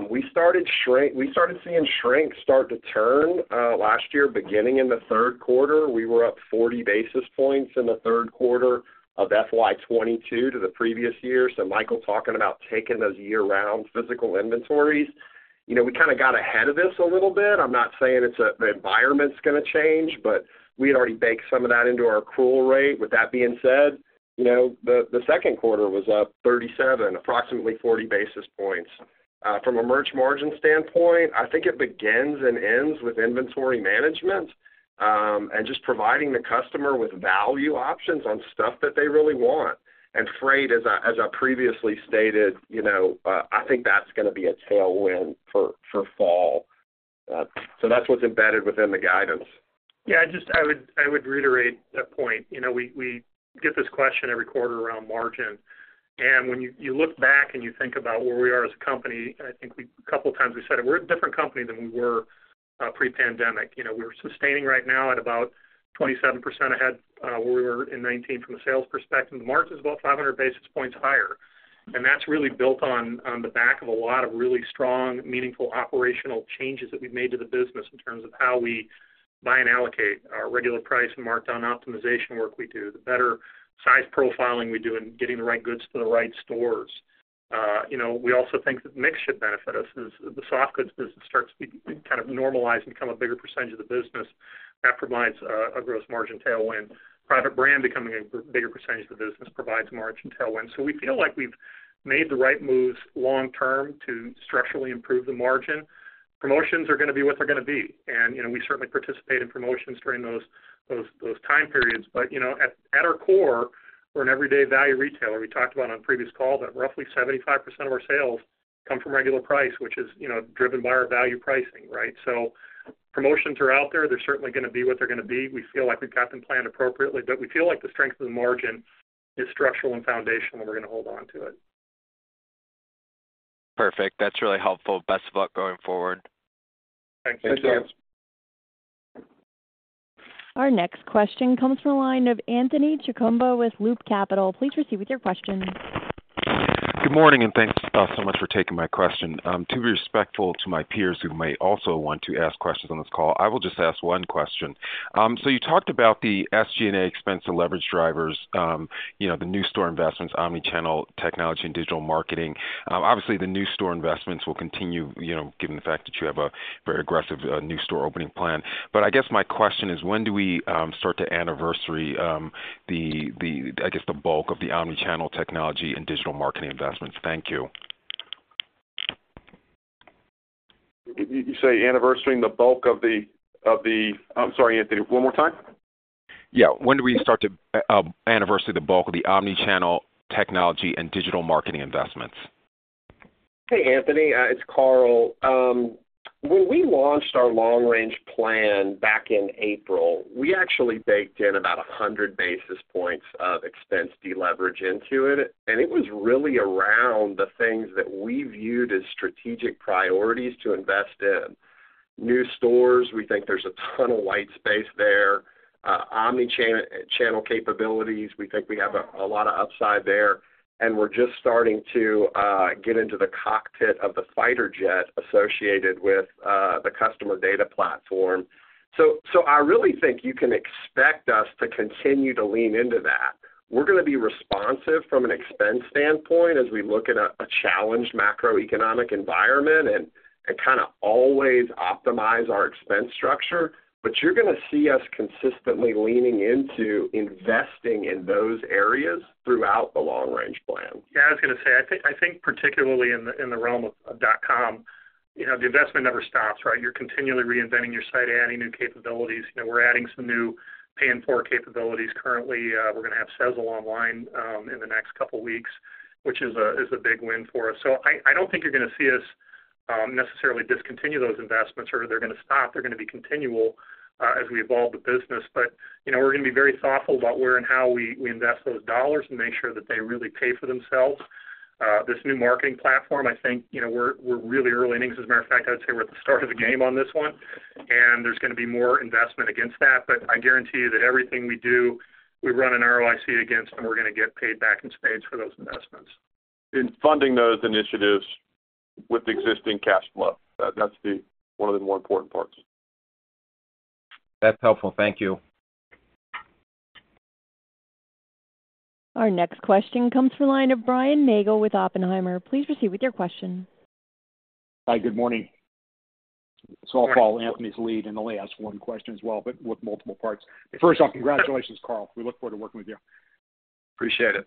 We started seeing shrink start to turn last year, beginning in the third quarter. We were up 40 basis points in the third quarter of FY 2022 to the previous year. So Michael talking about taking those year-round physical inventories, you know, we kinda got ahead of this a little bit. I'm not saying it's the environment's gonna change, but we had already baked some of that into our accrual rate. With that being said, you know, the second quarter was up 37, approximately 40 basis points. From a merch margin standpoint, I think it begins and ends with inventory management, and just providing the customer with value options on stuff that they really want. And freight, as I previously stated, you know, I think that's gonna be a tailwind for fall. So that's what's embedded within the guidance. Yeah, I just-- I would, I would reiterate that point. You know, we, we get this question every quarter around margin. And when you, you look back and you think about where we are as a company, I think we-- a couple of times we said it, we're a different company than we were pre-pandemic. You know, we're sustaining right now at about 27% ahead where we were in 2019 from a sales perspective. The margin is about 500 basis points higher, and that's really built on, on the back of a lot of really strong, meaningful operational changes that we've made to the business in terms of how we buy and allocate our regular price and markdown optimization work we do, the better size profiling we do in getting the right goods to the right stores. You know, we also think that mix should benefit us as the soft goods business starts to be kind of normalize and become a bigger percentage of the business, that provides a gross margin tailwind. Private brand becoming a bigger percentage of the business provides margin tailwind. So we feel like we've made the right moves long term to structurally improve the margin. Promotions are gonna be what they're gonna be, and, you know, we certainly participate in promotions during those time periods. But, you know, at our core we're an everyday value retailer. We talked about on previous calls that roughly 75% of our sales come from regular price, which is, you know, driven by our value pricing, right? So promotions are out there. They're certainly gonna be what they're gonna be. We feel like we've got them planned appropriately, but we feel like the strength of the margin is structural and foundational, and we're gonna hold on to it. Perfect. That's really helpful. Best of luck going forward. Thanks. Our next question comes from the line of Anthony Chukumba with Loop Capital. Please proceed with your question. Good morning, and thanks so much for taking my question. To be respectful to my peers who may also want to ask questions on this call, I will just ask one question. So you talked about the SG&A expense and leverage drivers, you know, the new store investments, omni-channel, technology, and digital marketing. Obviously, the new store investments will continue, you know, given the fact that you have a very aggressive new store opening plan. But I guess my question is: when do we start to anniversary the bulk of the omni-channel technology and digital marketing investments? Thank you. You say inventorying the bulk of the... I'm sorry, Anthony, one more time? Yeah. When do we start to anniversary the bulk of the omni-channel technology and digital marketing investments? Hey, Anthony, it's Carl. When we launched our long-range plan back in April, we actually baked in about 100 basis points of expense deleverage into it, and it was really around the things that we viewed as strategic priorities to invest in. New stores, we think there's a ton of white space there. Omni-channel capabilities, we think we have a lot of upside there, and we're just starting to get into the cockpit of the fighter jet associated with the customer data platform. So I really think you can expect us to continue to lean into that. We're gonna be responsive from an expense standpoint as we look at a challenged macroeconomic environment and kind of always optimize our expense structure, but you're gonna see us consistently leaning into investing in those areas throughout the long-range plan. Yeah, I was gonna say, I think, I think particularly in the, in the realm of dot-com, you know, the investment never stops, right? You're continually reinventing your site, adding new capabilities. You know, we're adding some new buy now, pay later capabilities currently. We're gonna have Sezzle online in the next couple of weeks, which is a big win for us. So I don't think you're gonna see us necessarily discontinue those investments, or they're gonna stop. They're gonna be continual as we evolve the business, but, you know, we're gonna be very thoughtful about where and how we invest those dollars and make sure that they really pay for themselves. This new marketing platform, I think, you know, we're really early innings. As a matter of fact, I'd say we're at the start of the game on this one, and there's gonna be more investment against that. But I guarantee you that everything we do, we run an ROIC against, and we're gonna get paid back in spades for those investments. In funding those initiatives with existing cash flow, that's the one of the more important parts. That's helpful. Thank you. Our next question comes from the line of Brian Nagel with Oppenheimer. Please proceed with your question. Hi, good morning. I'll follow Anthony's lead and only ask one question as well, but with multiple parts. First off, congratulations, Carl. We look forward to working with you. Appreciate it.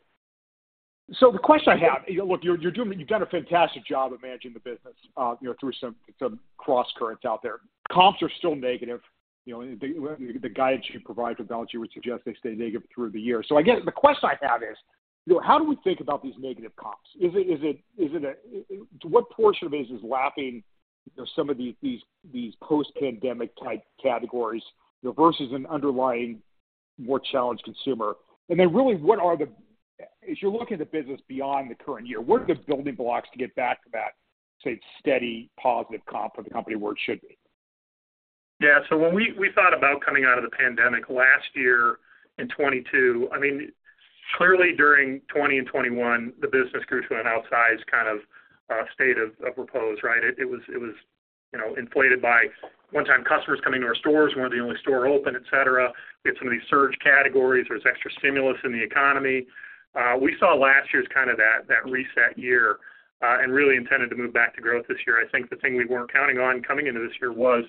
So the question I have, look, you're doing-- you've done a fantastic job of managing the business, you know, through some crosscurrents out there. Comps are still negative, you know, the guidance you provide to balance sheet would suggest they stay negative through the year. So I guess the question I have is, you know, how do we think about these negative comps? Is it a-- what portion of this is lacking, you know, some of these post-pandemic type categories versus an underlying, more challenged consumer? And then really, what are the-- as you're looking at the business beyond the current year, what are the building blocks to get back to that, say, steady, positive comp for the company where it should be? Yeah. So when we thought about coming out of the pandemic last year in 2022, I mean, clearly during 2020 and 2021, the business grew to an outsized kind of state of repose, right? It was, you know, inflated by one-time customers coming to our stores. We're the only store open, et cetera. We had some of these surge categories. There was extra stimulus in the economy. We saw last year's kind of that reset year, and really intended to move back to growth this year. I think the thing we weren't counting on coming into this year was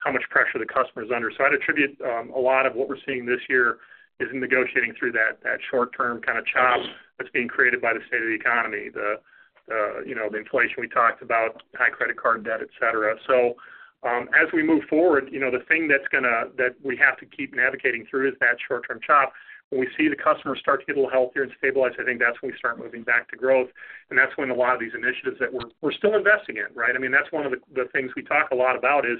how much pressure the customer is under. So I'd attribute a lot of what we're seeing this year is in negotiating through that, that short-term kind of chop that's being created by the state of the economy, the you know, the inflation we talked about, high credit card debt, et cetera. So, as we move forward, you know, the thing that's gonna that we have to keep navigating through is that short-term chop. When we see the customer start to get a little healthier and stabilize, I think that's when we start moving back to growth, and that's when a lot of these initiatives that we're, we're still investing in, right? I mean, that's one of the things we talk a lot about is,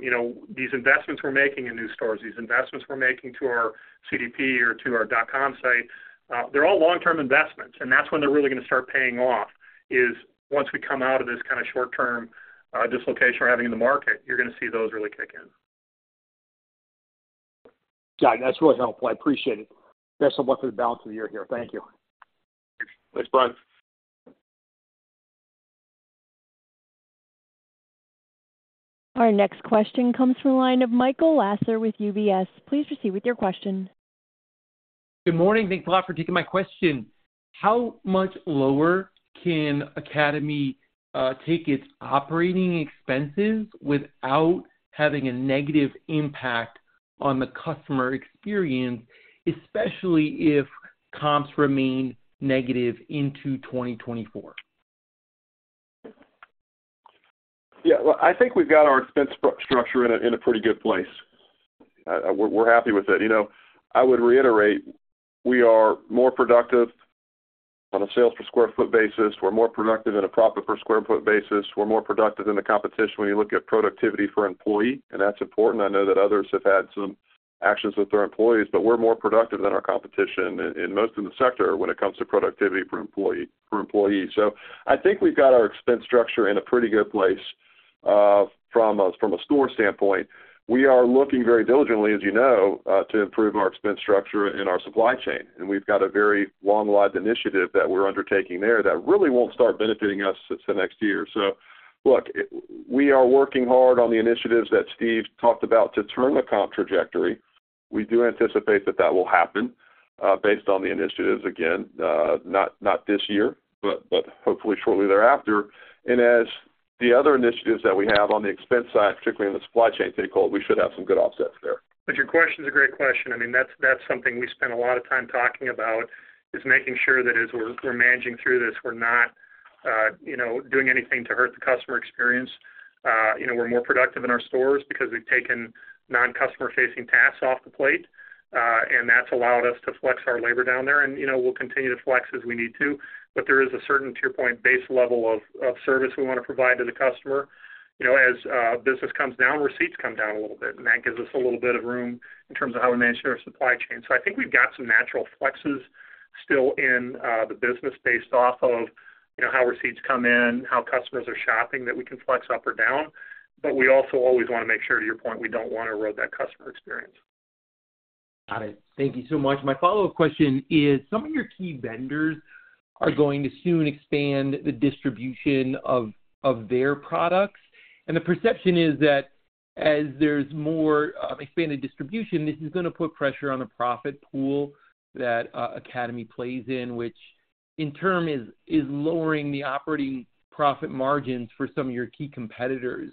you know, these investments we're making in new stores, these investments we're making to our CDP or to our .com site, they're all long-term investments, and that's when they're really gonna start paying off, is once we come out of this kind of short-term, dislocation we're having in the market, you're gonna see those really kick in. Got it. That's really helpful. I appreciate it. Best of luck for the balance of the year here. Thank you. Thanks, Brian. Our next question comes from the line of Michael Lasser with UBS. Please proceed with your question. Good morning. Thanks a lot for taking my question. How much lower can Academy take its operating expenses without having a negative impact on the customer experience, especially if comps remain negative into 2024? Yeah, well, I think we've got our expense structure in a pretty good place. We're happy with it. You know, I would reiterate, we are more productive on a sales per sq ft basis. We're more productive in a profit per sq ft basis. We're more productive than the competition when you look at productivity per employee, and that's important. I know that others have had some actions with their employees, but we're more productive than our competition in most of the sector when it comes to productivity per employee, per employee. So I think we've got our expense structure in a pretty good place, from a store standpoint. We are looking very diligently, as you know, to improve our expense structure and our supply chain. And we've got a very long-lived initiative that we're undertaking there that really won't start benefiting us until next year. So look, we are working hard on the initiatives that Steve talked about to turn the comp trajectory. We do anticipate that that will happen, based on the initiatives, again, not this year, but hopefully shortly thereafter. And as the other initiatives that we have on the expense side, particularly in the supply chain, take hold, we should have some good offsets there. But your question is a great question. I mean, that's, that's something we spend a lot of time talking about, is making sure that as we're, we're managing through this, we're not, you know, doing anything to hurt the customer experience. You know, we're more productive in our stores because we've taken non-customer-facing tasks off the plate, and that's allowed us to flex our labor down there, and, you know, we'll continue to flex as we need to. But there is a certain, to your point, base level of, of service we want to provide to the customer. You know, as, business comes down, receipts come down a little bit, and that gives us a little bit of room in terms of how we manage our supply chain. So I think we've got some natural flexes still in the business based off of, you know, how receipts come in, how customers are shopping, that we can flex up or down. But we also always want to make sure, to your point, we don't want to erode that customer experience. Got it. Thank you so much. My follow-up question is, some of your key vendors are going to soon expand the distribution of their products, and the perception is that as there's more expanded distribution, this is going to put pressure on the profit pool that Academy plays in, which in turn is lowering the operating profit margins for some of your key competitors.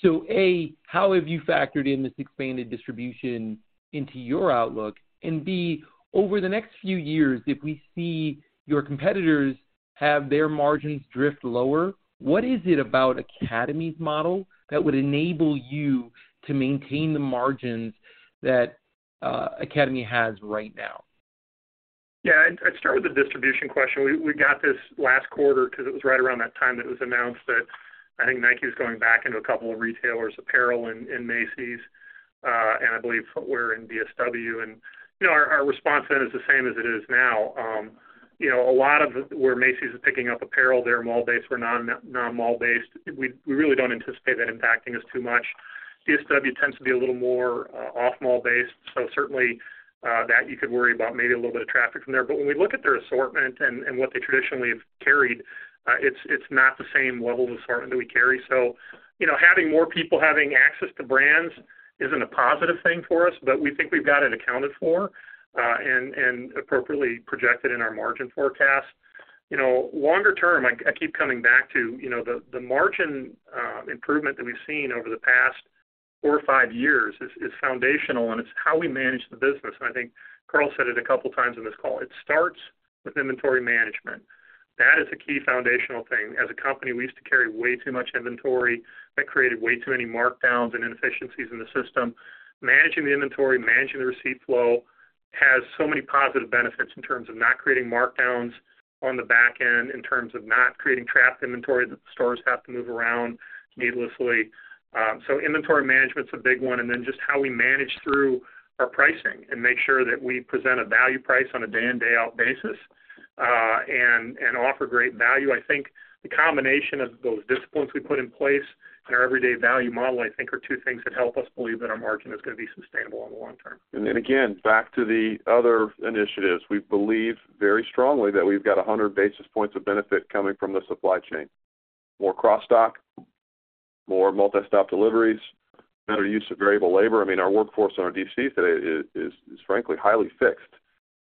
So, A, how have you factored in this expanded distribution into your outlook? And B, over the next few years, if we see your competitors have their margins drift lower, what is it about Academy's model that would enable you to maintain the margins that Academy has right now? Yeah. I'd, I'd start with the distribution question. We, we got this last quarter because it was right around that time that it was announced that I think Nike is going back into a couple of retailers, apparel in, in Macy's, and I believe footwear in DSW. And, you know, our, our response then is the same as it is now. You know, a lot of where Macy's is picking up apparel, they're mall-based, we're non, non-mall-based. We, we really don't anticipate that impacting us too much. DSW tends to be a little more, off-mall-based, so certainly, that you could worry about maybe a little bit of traffic from there. But when we look at their assortment and, and what they traditionally have carried, it's, it's not the same level of assortment that we carry. So, you know, having more people having access to brands isn't a positive thing for us, but we think we've got it accounted for and appropriately projected in our margin forecast. You know, longer term, I keep coming back to, you know, the margin improvement that we've seen over the past four or five years is foundational, and it's how we manage the business. And I think Carl said it a couple of times in this call. It starts with inventory management. That is a key foundational thing. As a company, we used to carry way too much inventory. That created way too many markdowns and inefficiencies in the system. Managing the inventory, managing the receipt flow has so many positive benefits in terms of not creating markdowns on the back end, in terms of not creating trapped inventory that the stores have to move around needlessly. So inventory management's a big one, and then just how we manage through our pricing and make sure that we present a value price on a day in, day out basis, and offer great value. I think the combination of those disciplines we put in place and our everyday value model, I think, are two things that help us believe that our margin is going to be sustainable in the long term. And then again, back to the other initiatives. We believe very strongly that we've got 100 basis points of benefit coming from the supply chain. More cross-dock, more multi-stop deliveries, better use of variable labor. I mean, our workforce in our DCs today is frankly highly fixed,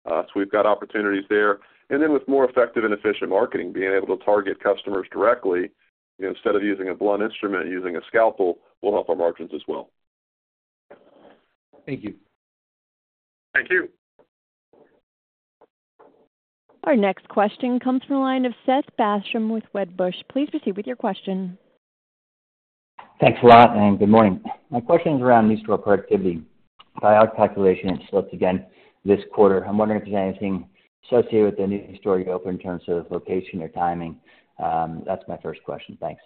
so we've got opportunities there. And then with more effective and efficient marketing, being able to target customers directly, instead of using a blunt instrument, using a scalpel will help our margins as well. Thank you. Thank you. Our next question comes from the line of Seth Basham with Wedbush. Please proceed with your question. Thanks a lot and good morning. My question is around new store productivity. By our calculation, it slipped again this quarter. I'm wondering if there's anything associated with the new store you opened in terms of location or timing? That's my first question. Thanks.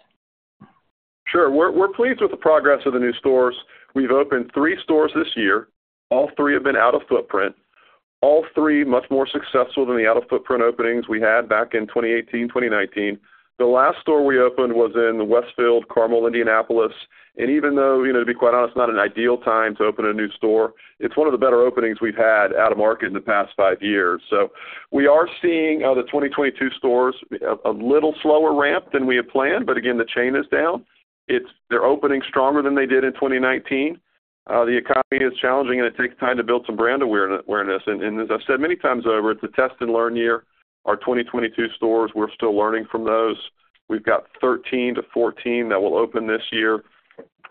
Sure. We're, we're pleased with the progress of the new stores. We've opened three stores this year. All three have been out-of-footprint. All three, much more successful than the out-of-footprint openings we had back in 2018, 2019. The last store we opened was in the Westfield Carmel, Indianapolis, and even though, you know, to be quite honest, not an ideal time to open a new store, it's one of the better openings we've had out-of-market in the past five years. So we are seeing, the 2022 stores a little slower ramp than we had planned, but again, the chain is down. It's-- they're opening stronger than they did in 2019. The economy is challenging, and it takes time to build some brand awareness. And, and as I've said many times over, it's a test and learn year. Our 2022 stores, we're still learning from those. We've got 13 stores-14 stores that will open this year.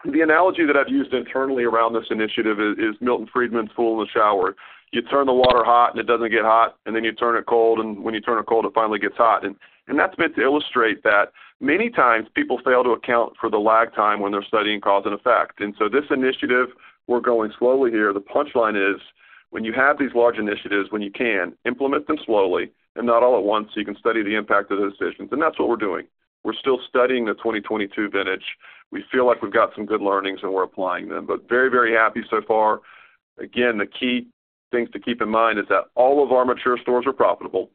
The analogy that I've used internally around this initiative is Milton Friedman's Fool in the Shower. You turn the water hot, and it doesn't get hot, and then you turn it cold, and when you turn it cold, it finally gets hot. And that's meant to illustrate that many times people fail to account for the lag time when they're studying cause and effect. And so this initiative, we're going slowly here. The punchline is, when you have these large initiatives, when you can implement them slowly and not all at once, so you can study the impact of those decisions, and that's what we're doing. We're still studying the 2022 vintage. We feel like we've got some good learnings, and we're applying them, but very, very happy so far. Again, the key things to keep in mind is that all of our mature stores are profitable.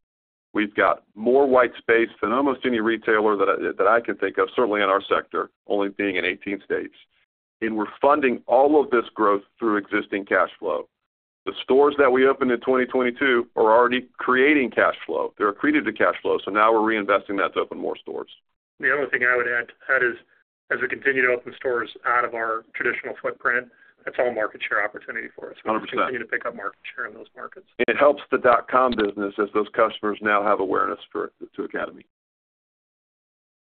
We've got more white space than almost any retailer that I can think of, certainly in our sector, only being in 18 states. We're funding all of this growth through existing cash flow. The stores that we opened in 2022 are already creating cash flow. They're accreted to cash flow, so now we're reinvesting that to open more stores. The other thing I would add to that is, as we continue to open stores out of our traditional footprint, that's all market share opportunity for us- Hundred percent. We continue to pick up market share in those markets. It helps the dot com business as those customers now have awareness for, to Academy.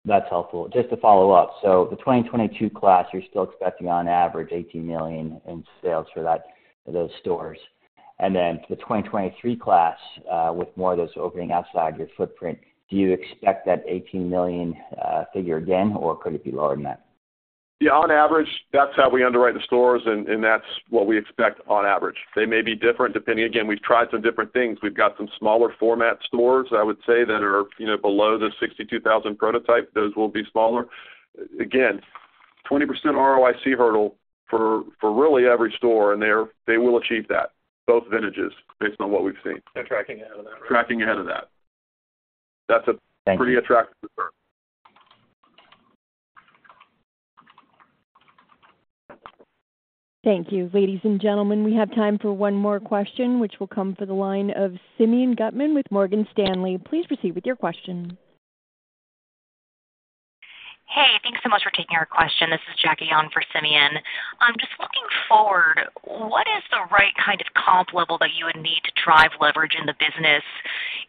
That's helpful. Just to follow up, so the 2022 class, you're still expecting, on average, $18 million in sales for that, those stores. And then the 2023 class, with more of those opening outside your footprint, do you expect that $18 million figure again, or could it be lower than that? Yeah, on average, that's how we underwrite the stores, and that's what we expect on average. They may be different, depending, again, we've tried some different things. We've got some smaller format stores, I would say, that are, you know, below the 62,000 prototype. Those will be smaller. Again, 20% ROIC hurdle for really every store, and they're—they will achieve that, both vintages, based on what we've seen. They're tracking ahead of that. Tracking ahead of that. That's a- Thank you. Pretty attractive return. Thank you. Ladies and gentlemen, we have time for one more question, which will come for the line of Simeon Gutman with Morgan Stanley. Please proceed with your question. Hey, thanks so much for taking our question. This is Jackie on for Simeon. Just looking forward, what is the right kind of comp level that you would need to drive leverage in the business?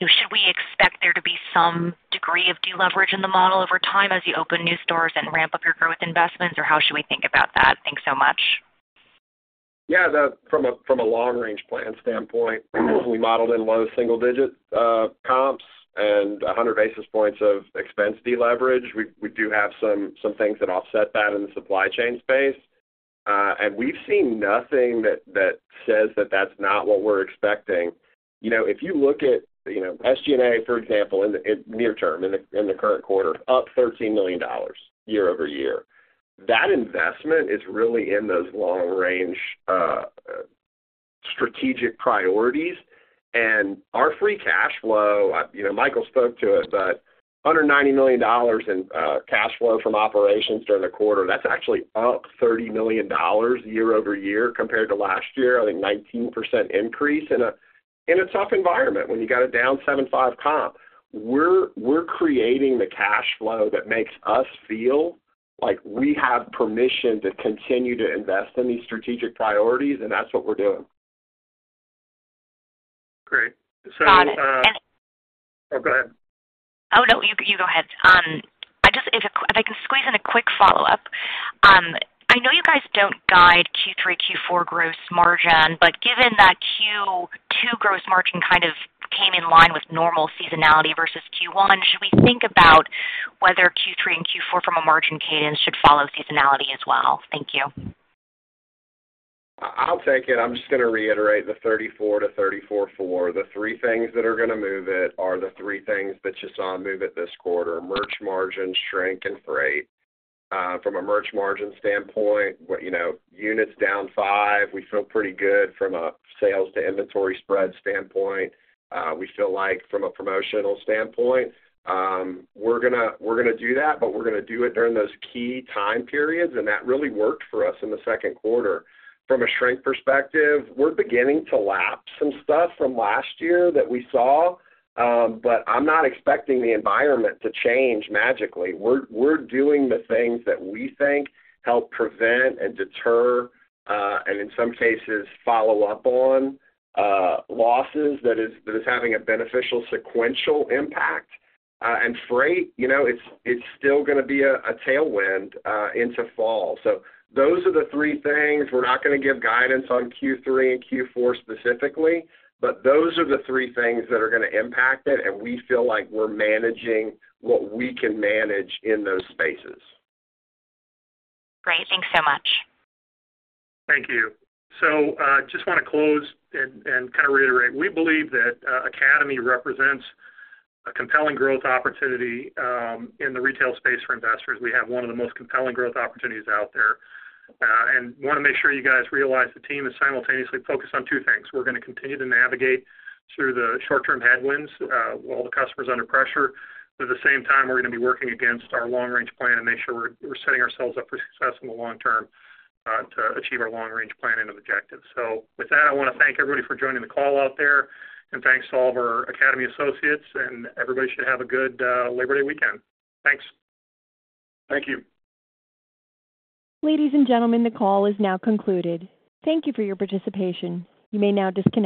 Should we expect there to be some degree of deleverage in the model over time as you open new stores and ramp up your growth investments, or how should we think about that? Thanks so much. Yeah, from a long-range plan standpoint, we modeled in low single digit comps and 100 basis points of expense deleverage. We do have some things that offset that in the supply chain space. And we've seen nothing that says that that's not what we're expecting. You know, if you look at, you know, SG&A, for example, in the near term, in the current quarter, up $13 million year over year. That investment is really in those long-range strategic priorities. And our free cash flow, you know, Michael spoke to it, but under $90 million in cash flow from operations during the quarter, that's actually up $30 million year over year compared to last year. I think 19% increase in a tough environment, when you got a down 7.5 comp. We're creating the cash flow that makes us feel like we have permission to continue to invest in these strategic priorities, and that's what we're doing. Great. So, Got it. And- Oh, go ahead. Oh, no, you go ahead. If I can squeeze in a quick follow-up. I know you guys don't guide Q3, Q4 gross margin, but given that Q2 gross margin kind of came in line with normal seasonality versus Q1, should we think about whether Q3 and Q4 from a margin cadence should follow seasonality as well? Thank you. I'll take it. I'm just gonna reiterate the 34 to 34.4. The three things that are gonna move it are the three things that you saw move it this quarter: merch margin, shrink, and freight. From a merch margin standpoint, you know, units down 5, we feel pretty good from a sales to inventory spread standpoint. We feel like from a promotional standpoint, we're gonna, we're gonna do that, but we're gonna do it during those key time periods, and that really worked for us in the second quarter. From a shrink perspective, we're beginning to lap some stuff from last year that we saw, but I'm not expecting the environment to change magically. We're doing the things that we think help prevent and deter, and in some cases, follow up on losses, that is having a beneficial sequential impact. And freight, you know, it's still gonna be a tailwind into fall. So those are the three things. We're not gonna give guidance on Q3 and Q4 specifically, but those are the three things that are gonna impact it, and we feel like we're managing what we can manage in those spaces. Great. Thanks so much. Thank you. So, just want to close and, and kind of reiterate. We believe that, Academy represents a compelling growth opportunity, in the retail space for investors. We have one of the most compelling growth opportunities out there, and want to make sure you guys realize the team is simultaneously focused on two things. We're going to continue to navigate through the short-term headwinds, while the customer is under pressure, but at the same time, we're going to be working against our long-range plan and make sure we're, we're setting ourselves up for success in the long term, to achieve our long-range plan and objectives. So with that, I want to thank everybody for joining the call out there, and thanks to all of our Academy associates, and everybody should have a good, Liberty weekend. Thanks. Thank you. Ladies and gentlemen, the call is now concluded. Thank you for your participation. You may now disconnect.